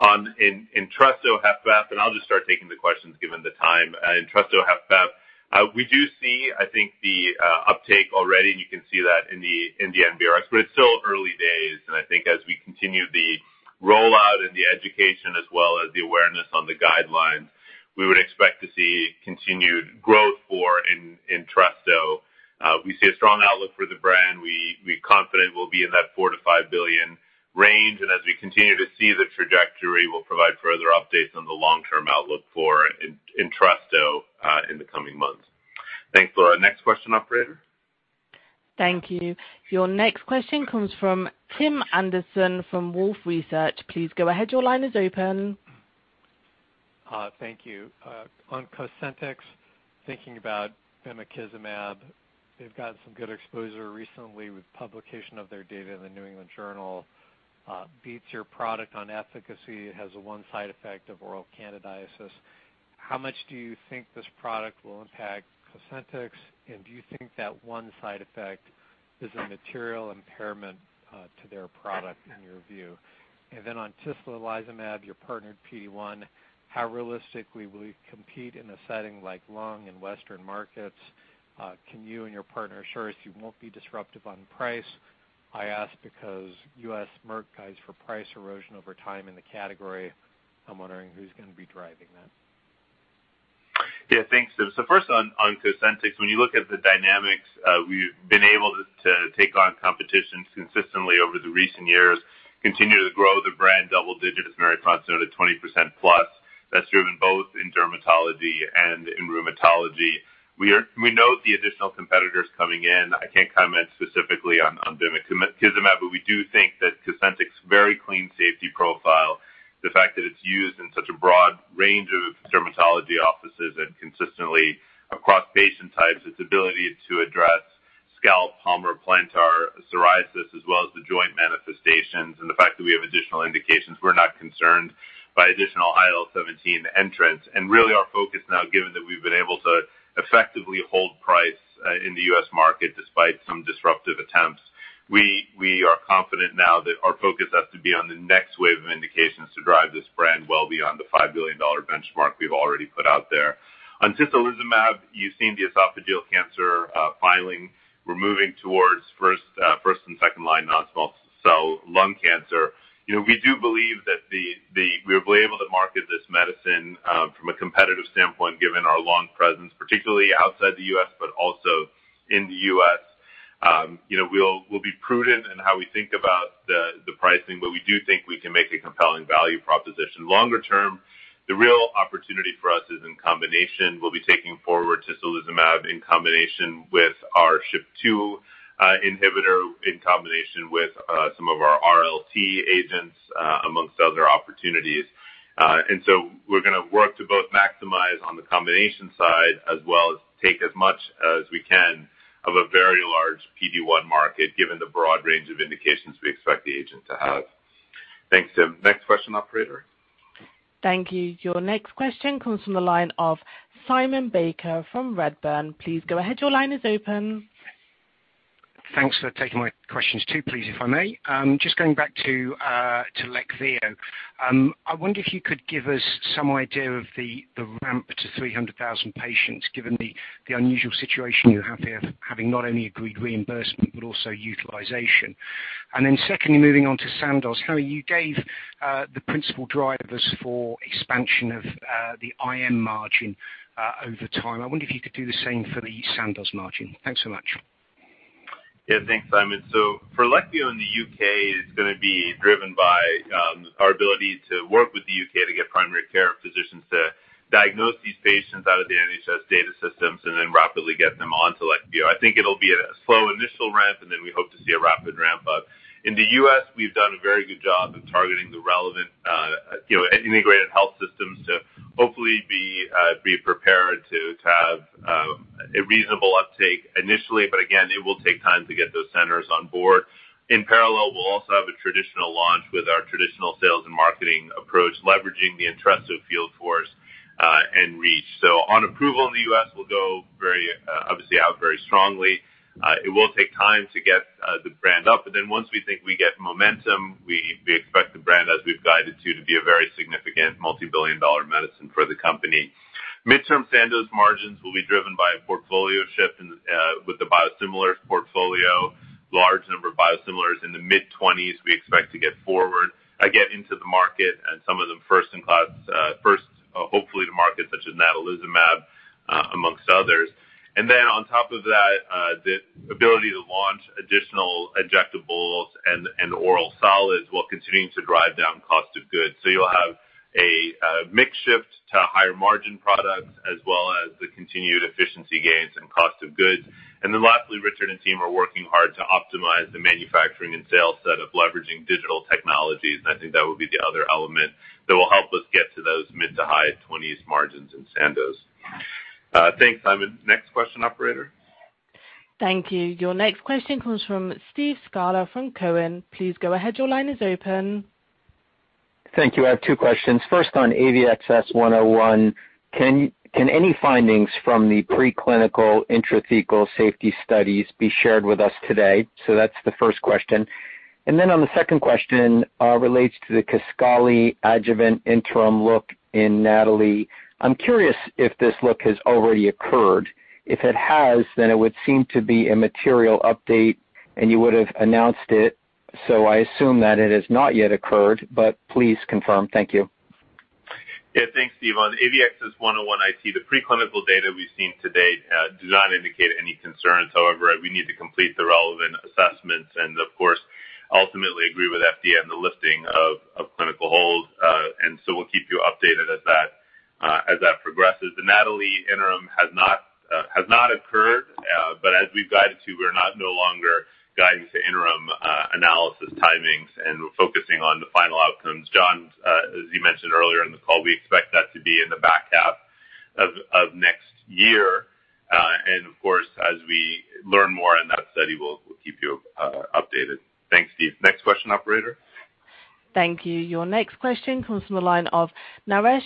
On ENTRESTO HFpEF, I'll just start taking the questions given the time. ENTRESTO HFpEF, we do see, I think, the uptake already, you can see that in the NBRx, it's still early days, I think as we continue the rollout and the education as well as the awareness on the guidelines, we would expect to see continued growth for ENTRESTO. We see a strong outlook for the brand. We're confident we'll be in that $4 billion-$5 billion range, as we continue to see the trajectory, we'll provide further updates on the long-term outlook for ENTRESTO in the coming months. Thanks, Laura. Next question, operator. Thank you. Your next question comes from Tim Anderson from Wolfe Research. Please go ahead. Your line is open. Thank you. On COSENTYX, thinking about bimekizumab, they've gotten some good exposure recently with publication of their data in "The New England Journal," beats your product on efficacy, has one side effect of oral candidiasis. How much do you think this product will impact COSENTYX and do you think that one side effect is a material impairment to their product in your view? On tislelizumab, your partnered PD-1, how realistically will you compete in a setting like lung in Western markets? Can you and your partner assure us you won't be disruptive on price? I ask because U.S. Merck guides for price erosion over time in the category. I'm wondering who's going to be driving that. Yeah. Thanks, Tim. First on COSENTYX, when you look at the dynamics, we've been able to take on competition consistently over the recent years, continue to grow the brand double digits, as Marie-France noted, 20%+. That's driven both in dermatology and in rheumatology. We note the additional competitors coming in. I can't comment specifically on bimekizumab, but we do think that COSENTYX's very clean safety profile, the fact that it's used in such a broad range of dermatology offices and consistently across patient types, its ability to address scalp, palmoplantar psoriasis as well as the joint manifestations and the fact that we have additional indications, we're not concerned by additional IL-17 entrants. Really our focus now, given that we've been able to effectively hold price in the U.S. market despite some disruptive attempts, we are confident now that our focus has to be on the next wave of indications to drive this brand well beyond the $5 billion benchmark we've already put out there. On tislelizumab, you've seen the esophageal cancer filing. We're moving towards first and second-line non-small cell lung cancer. We're able to market this medicine from a competitive standpoint, given our long presence, particularly outside the U.S., but also in the U.S. We'll be prudent in how we think about the pricing, we do think we can make a compelling value proposition longer term. The real opportunity for us is in combination. We'll be taking forward tislelizumab in combination with our SHP2 inhibitor, in combination with some of our RLT agents, amongst other opportunities. We're going to work to both maximize on the combination side, as well as take as much as we can of a very large PD-1 market, given the broad range of indications we expect the agent to have. Thanks, Tim. Next question, operator. Thank you. Your next question comes from the line of Simon Baker from Redburn. Please go ahead. Your line is open. Thanks for taking my questions. Two please, if I may, just going back to LEQVIO, I wonder if you could give us some idea of the ramp to 300,000 patients, given the unusual situation you have here, having not only agreed reimbursement, but also utilization. Secondly, moving on to Sandoz, how you gave the principal drivers for expansion of the IM margin over time. I wonder if you could do the same for the Sandoz margin. Thanks so much. Thanks, Simon. For LEQVIO in the U.K., it's going to be driven by our ability to work with the U.K. to get primary care physicians to diagnose these patients out of the NHS data systems and then rapidly get them onto LEQVIO. I think it'll be a slow initial ramp, and then we hope to see a rapid ramp up. In the U.S., we've done a very good job of targeting the relevant integrated health systems to hopefully be prepared to have a reasonable uptake initially, again, it will take time to get those centers on board. In parallel, we'll also have a traditional launch with our traditional sales and marketing approach, leveraging the ENTRESTO field force and reach. On approval in the U.S., we'll go, obviously, out very strongly. It will take time to get the brand up. Then once we think we get momentum, we expect the brand, as we've guided to be a very significant multi-billion dollar medicine for the company. Midterm Sandoz margins will be driven by a portfolio shift with the biosimilars portfolio, large number of biosimilars in the mid-20s we expect to get forward, get into the market and some of them first, hopefully, to market, such as natalizumab, amongst others. Then on top of that, the ability to launch additional injectables and oral solids while continuing to drive down cost of goods. You'll have a mix shift to higher margin products, as well as the continued efficiency gains and cost of goods. Lastly, Richard and team are working hard to optimize the manufacturing and sales set of leveraging digital technologies, and I think that will be the other element that will help us get to those mid-to-high 20s margins in Sandoz. Thanks, Simon. Next question, operator. Thank you. Your next question comes from Steve Scala from Cowen. Please go ahead. Your line is open. Thank you. I have two questions. First, on AVXS-101, can any findings from the preclinical intrathecal safety studies be shared with us today? That's the first question. On the second question, relates to the KISQALI adjuvant interim look in NATALEE. I'm curious if this look has already occurred. If it has, then it would seem to be a material update, and you would have announced it. I assume that it has not yet occurred, but please confirm. Thank you. Yeah, thanks, Steve. On AVXS-101, I see the preclinical data we've seen to date does not indicate any concerns. However, we need to complete the relevant assessments and, of course, ultimately agree with FDA on the lifting of clinical hold. So we'll keep you updated as that progresses. The NATALEE interim has not occurred, but as we've guided to, we're no longer guiding to interim analysis timings, and we're focusing on the final outcomes. John, as you mentioned earlier in the call, we expect that to be in the back half of next year. Of course, as we learn more in that study, we'll keep you updated. Thanks, Steve. Next question, operator. Thank you. Your next question comes from the line of Naresh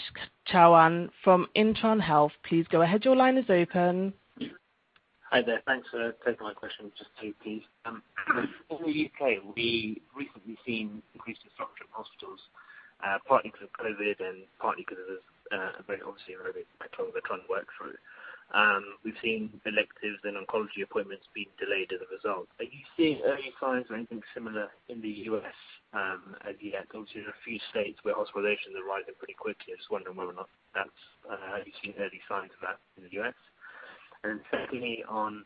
Chouhan from Intron Health. Please go ahead. Your line is open. Hi there. Thanks for taking my question. Just two, please. In the U.K., we've recently seen increased instruction from hospitals, partly because of COVID and partly because of a very obviously eroded economy to work through. We've seen electives and oncology appointments being delayed as a result. Are you seeing early signs or anything similar in the U.S. as yet? Obviously, there's a few states where hospitalizations are rising pretty quickly. I was just wondering whether or not you're seeing early signs of that in the U.S. Secondly, on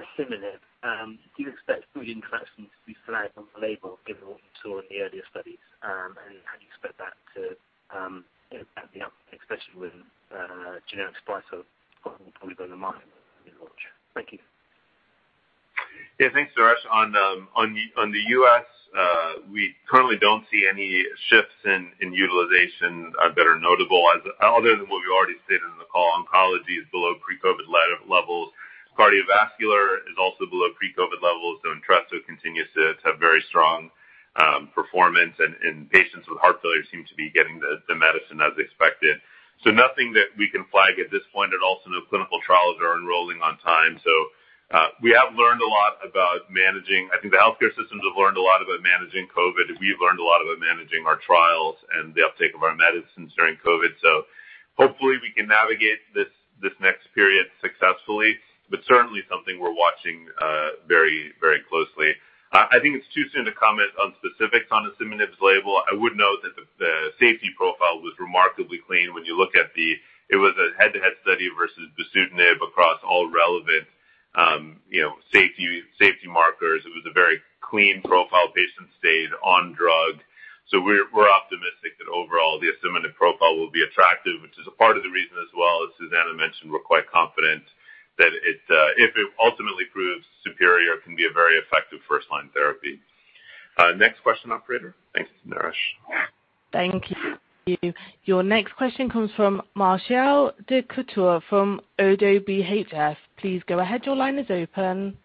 asciminib, do you expect to be flagged on the label given what you saw in the earlier studies, and how do you expect that to add up, especially with generic suppliers? Thank you. Yeah, thanks, Naresh. On the U.S., we currently don't see any shifts in utilization that are notable other than what we already stated in the call. Oncology is below pre-COVID levels. Cardiovascular is also below pre-COVID levels, so ENTRESTO continues to have very strong performance, and patients with heart failure seem to be getting the medicine as expected. Nothing that we can flag at this point, and also, no clinical trials are enrolling on time. We have learned a lot about managing, I think the healthcare systems have learned a lot about managing COVID. We've learned a lot about managing our trials and the uptake of our medicines during COVID. Hopefully we can navigate this next period successfully, but certainly something we're watching very closely. I think it's too soon to comment on specifics on asciminib's label. I would note that the safety profile was remarkably clean when you look at the It was a head-to-head study versus dasatinib across all relevant safety markers. It was a very clean profile. Patients stayed on drug. We're optimistic that overall, the asciminib profile will be attractive, which is a part of the reason as well, as Susanne mentioned, we're quite confident that if it ultimately proves superior, it can be a very effective first-line therapy. Next question, operator. Thanks, Naresh. Thank you. Your next question comes from Martial Descoutures from ODDO BHF. Please go ahead. Your line is open.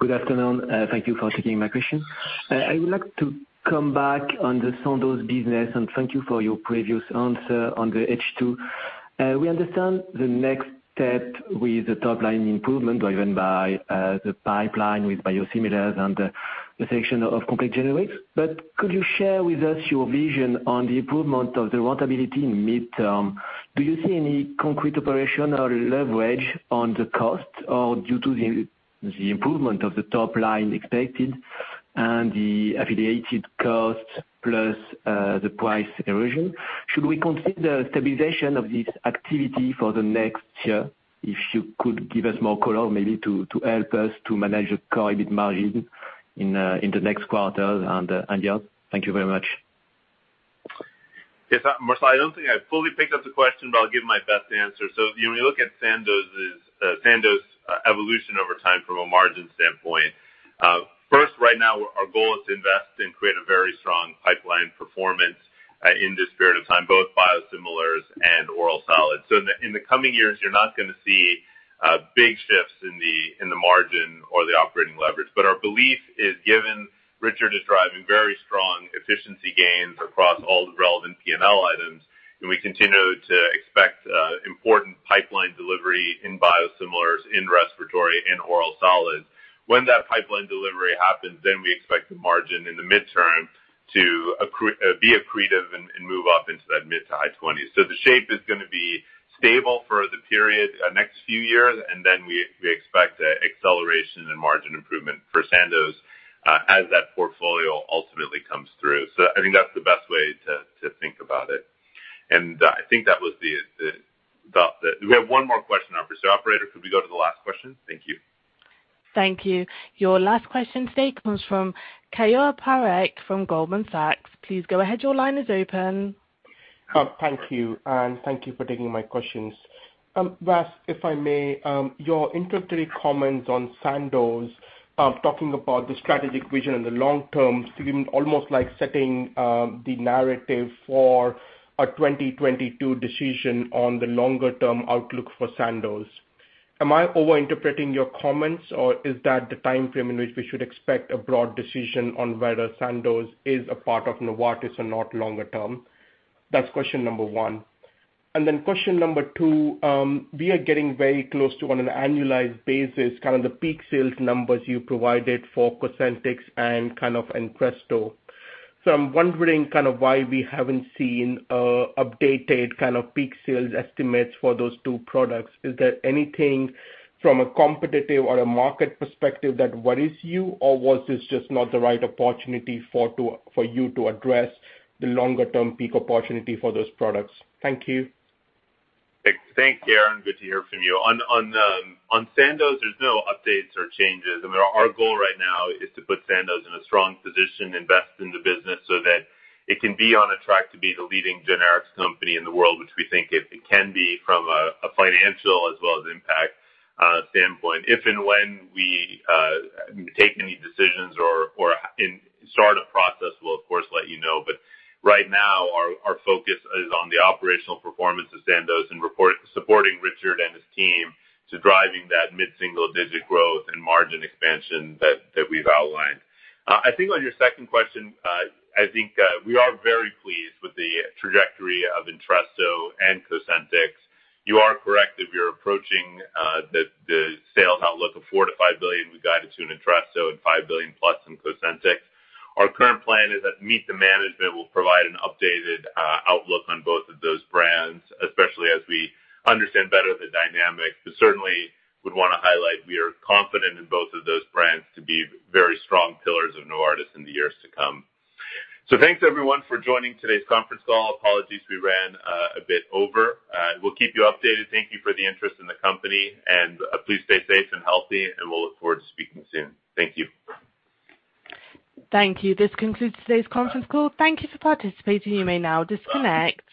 Good afternoon. Thank you for taking my question. I would like to come back on the Sandoz business, and thank you for your previous answer on the H2. We understand the next step with the top-line improvement driven by the pipeline with biosimilars and the selection of complete generics. Could you share with us your vision on the improvement of the profitability in the midterm? Do you see any concrete operational leverage on the cost due to the improvement of the top-line expected and the affiliated cost plus the price erosion? Should we consider stabilization of this activity for the next year? If you could give us more color maybe to help us to manage the COVID margin in the next quarter and beyond. Thank you very much. Yes. Martial, I don't think I fully picked up the question, but I'll give my best answer. When we look at Sandoz's evolution over time from a margin standpoint, first, right now, our goal is to invest and create a very strong pipeline performance in this period of time, both biosimilars and oral solids. In the coming years, you're not going to see big shifts in the margin or the operating leverage. Our belief is given Richard is driving very strong efficiency gains across all the relevant P&L items, and we continue to expect important pipeline delivery in biosimilars, in respiratory, in oral solids. When that pipeline delivery happens, then we expect the margin in the midterm to be accretive and move up into that mid-to-high 20s. The shape is going to be stable for the period next few years, and then we expect acceleration and margin improvement for Sandoz as that portfolio ultimately comes through. I think that's the best way to think about it. We have one more question. Operator, could we go to the last question? Thank you. Thank you. Your last question today comes from Keyur Parekh from Goldman Sachs. Please go ahead. Your line is open. Thank you, thank you for taking my questions. Vas, if I may, your introductory comments on Sandoz, talking about the strategic vision in the long term seemed almost like setting the narrative for a 2022 decision on the longer-term outlook for Sandoz. Am I overinterpreting your comments, or is that the timeframe in which we should expect a broad decision on whether Sandoz is a part of Novartis or not longer term? That's question number one. Question number two, we are getting very close to on an annualized basis, the peak sales numbers you provided for COSENTYX and ENTRESTO. I'm wondering why we haven't seen updated peak sales estimates for those two products. Is there anything from a competitive or a market perspective that worries you? Was this just not the right opportunity for you to address the longer-term peak opportunity for those products? Thank you. Thanks, Keyur. Good to hear from you. On Sandoz, there's no updates or changes. I mean, our goal right now is to put Sandoz in a strong position, invest in the business so that it can be on a track to be the leading generics company in the world, which we think it can be from a financial as well as impact standpoint. If and when we take any decisions or start a process, we'll of course let you know. Right now our focus is on the operational performance of Sandoz and supporting Richard and his team to driving that mid-single-digit growth and margin expansion that we've outlined. I think on your second question, I think we are very pleased with the trajectory of ENTRESTO and COSENTYX. You are correct that we are approaching the sales outlook of $4 billion-$5 billion we guided to in ENTRESTO and $5 billion+ in COSENTYX. Our current plan is that Meet the Management will provide an updated outlook on both of those brands, especially as we understand better the dynamics. Certainly would want to highlight we are confident in both of those brands to be very strong pillars of Novartis in the years to come. Thanks everyone for joining today's conference call. Apologies we ran a bit over. We'll keep you updated. Thank you for the interest in the company, and please stay safe and healthy, and we'll look forward to speaking soon. Thank you. Thank you. This concludes today's conference call. Thank you for participating. You may now disconnect.